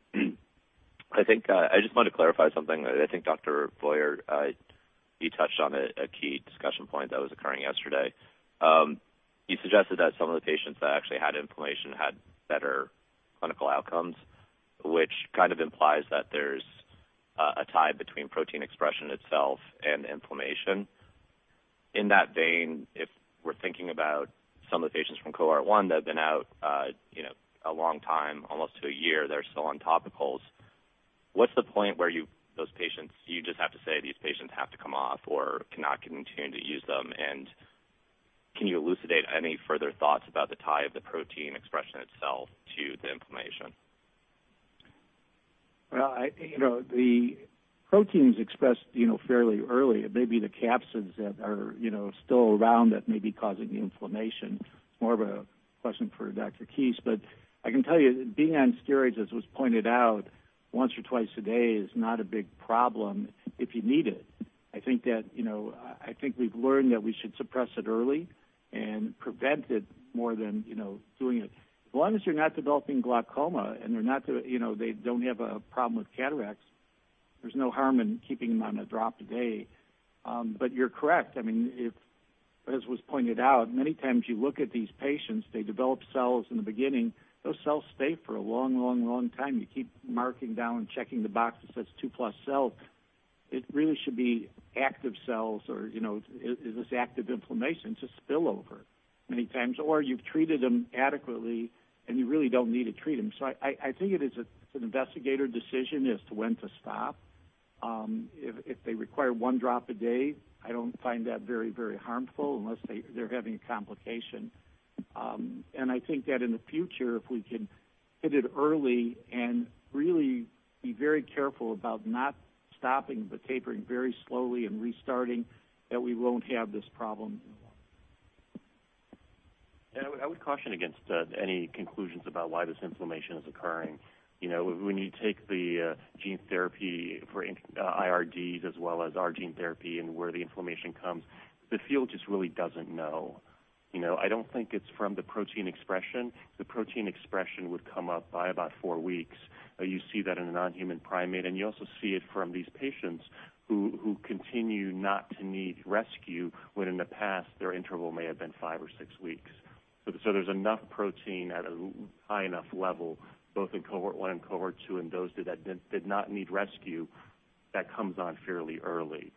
just want to clarify something. I think Dr. Boyer, you touched on a key discussion point that was occurring yesterday. You suggested that some of the patients that actually had inflammation had better clinical outcomes, which kind of implies that there's a tie between protein expression itself and inflammation. In that vein, if we're thinking about some of the patients from Cohort 1 that have been out, a long time, almost to a year, they're still on topicals. What's the point where you, those patients, you just have to say these patients have to come off or cannot continue to use them? Can you elucidate any further thoughts about the tie of the protein expression itself to the inflammation? Well, the proteins expressed fairly early. It may be the capsids that are still around that may be causing the inflammation. It's more of a question for Dr. Kiss, but I can tell you being on steroids, as was pointed out, once or twice a day is not a big problem if you need it. I think we've learned that we should suppress it early and prevent it more than doing it. As long as you're not developing glaucoma and they don't have a problem with cataracts, there's no harm in keeping them on a drop a day. You're correct. As was pointed out, many times you look at these patients, they develop cells in the beginning. Those cells stay for a long time. You keep marking down and checking the box that says 2+ cells. It really should be active cells, or is this active inflammation? It's a spillover many times, or you've treated them adequately and you really don't need to treat them. I think it is an investigator decision as to when to stop. If they require one drop a day, I don't find that very harmful unless they're having a complication. I think that in the future, if we can hit it early and really be very careful about not stopping, but tapering very slowly and restarting, that we won't have this problem anymore. I would caution against any conclusions about why this inflammation is occurring. When you take the gene therapy for IRDs as well as our gene therapy and where the inflammation comes, the field just really doesn't know. I don't think it's from the protein expression. The protein expression would come up by about four weeks. You see that in a non-human primate, and you also see it from these patients who continue not to need rescue, when in the past their interval may have been five or six weeks. There's enough protein at a high enough level, both in Cohort 1 and Cohort 2, in those that did not need rescue, that comes on fairly early.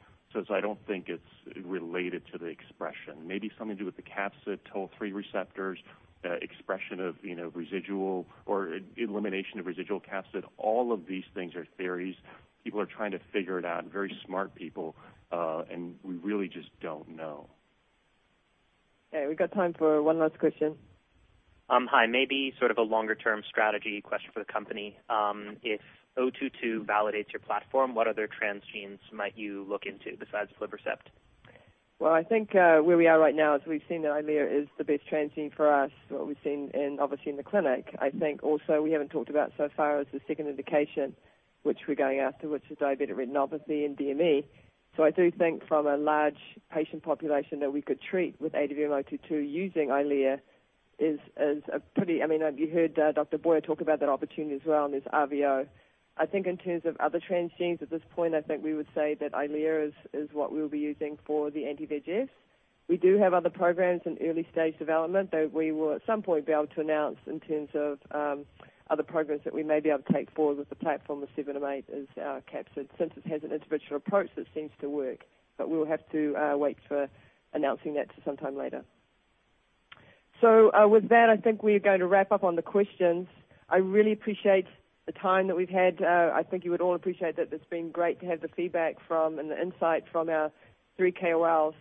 I don't think it's related to the expression. Maybe something to do with the capsid Toll-like receptors, expression of residual or elimination of residual capsid. All of these things are theories. People are trying to figure it out, very smart people. We really just don't know. Okay, we got time for one last question. Hi. Maybe sort of a longer-term strategy question for the company. If 022 validates your platform, what other transgenes might you look into besides aflibercept? Well, I think where we are right now is we've seen that EYLEA is the best transgene for us, what we've seen obviously in the clinic. I think also we haven't talked about so far is the second indication, which we're going after, which is diabetic retinopathy and DME. I do think from a large patient population that we could treat with ADVM-022 using EYLEA. You heard Dr. Boyer talk about that opportunity as well on this RVO. I think in terms of other transgenes at this point, I think we would say that EYLEA is what we'll be using for the anti-VEGF. We do have other programs in early-stage development that we will at some point be able to announce in terms of other programs that we may be able to take forward with the platform of our capsid, since it has an intravitreal approach that seems to work, but we'll have to wait for announcing that to sometime later. With that, I think we're going to wrap up on the questions. I really appreciate the time that we've had. I think you would all appreciate that it's been great to have the feedback from and the insight from our three KOLs.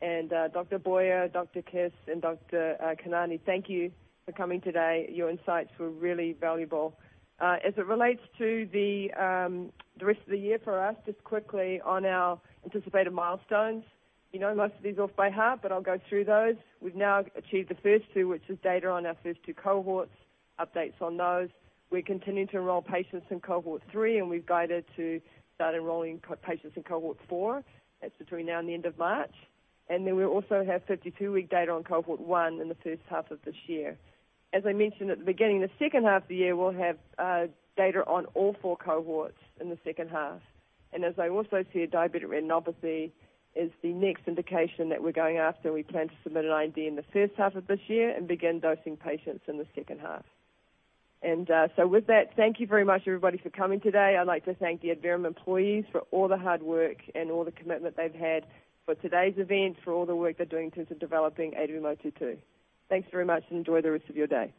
Dr. Boyer, Dr. Kiss, and Dr. Khanani, thank you for coming today. Your insights were really valuable. As it relates to the rest of the year for us, just quickly on our anticipated milestones. You know most of these off by heart, but I'll go through those. We've now achieved the first two, which is data on our first two cohorts, updates on those. We're continuing to enroll patients in Cohort 3, we've guided to start enrolling patients in Cohort 4. That's between now and the end of March. We also have 52-week data on Cohort 1 in the first half of this year. As I mentioned at the beginning, the second half of the year, we'll have data on all four cohorts in the second half. As I also said, diabetic retinopathy is the next indication that we're going after, we plan to submit an IND in the first half of this year and begin dosing patients in the second half. With that, thank you very much, everybody, for coming today. I'd like to thank the Adverum employees for all the hard work and all the commitment they've had for today's event, for all the work they're doing in terms of developing ADVM-022. Thanks very much and enjoy the rest of your day.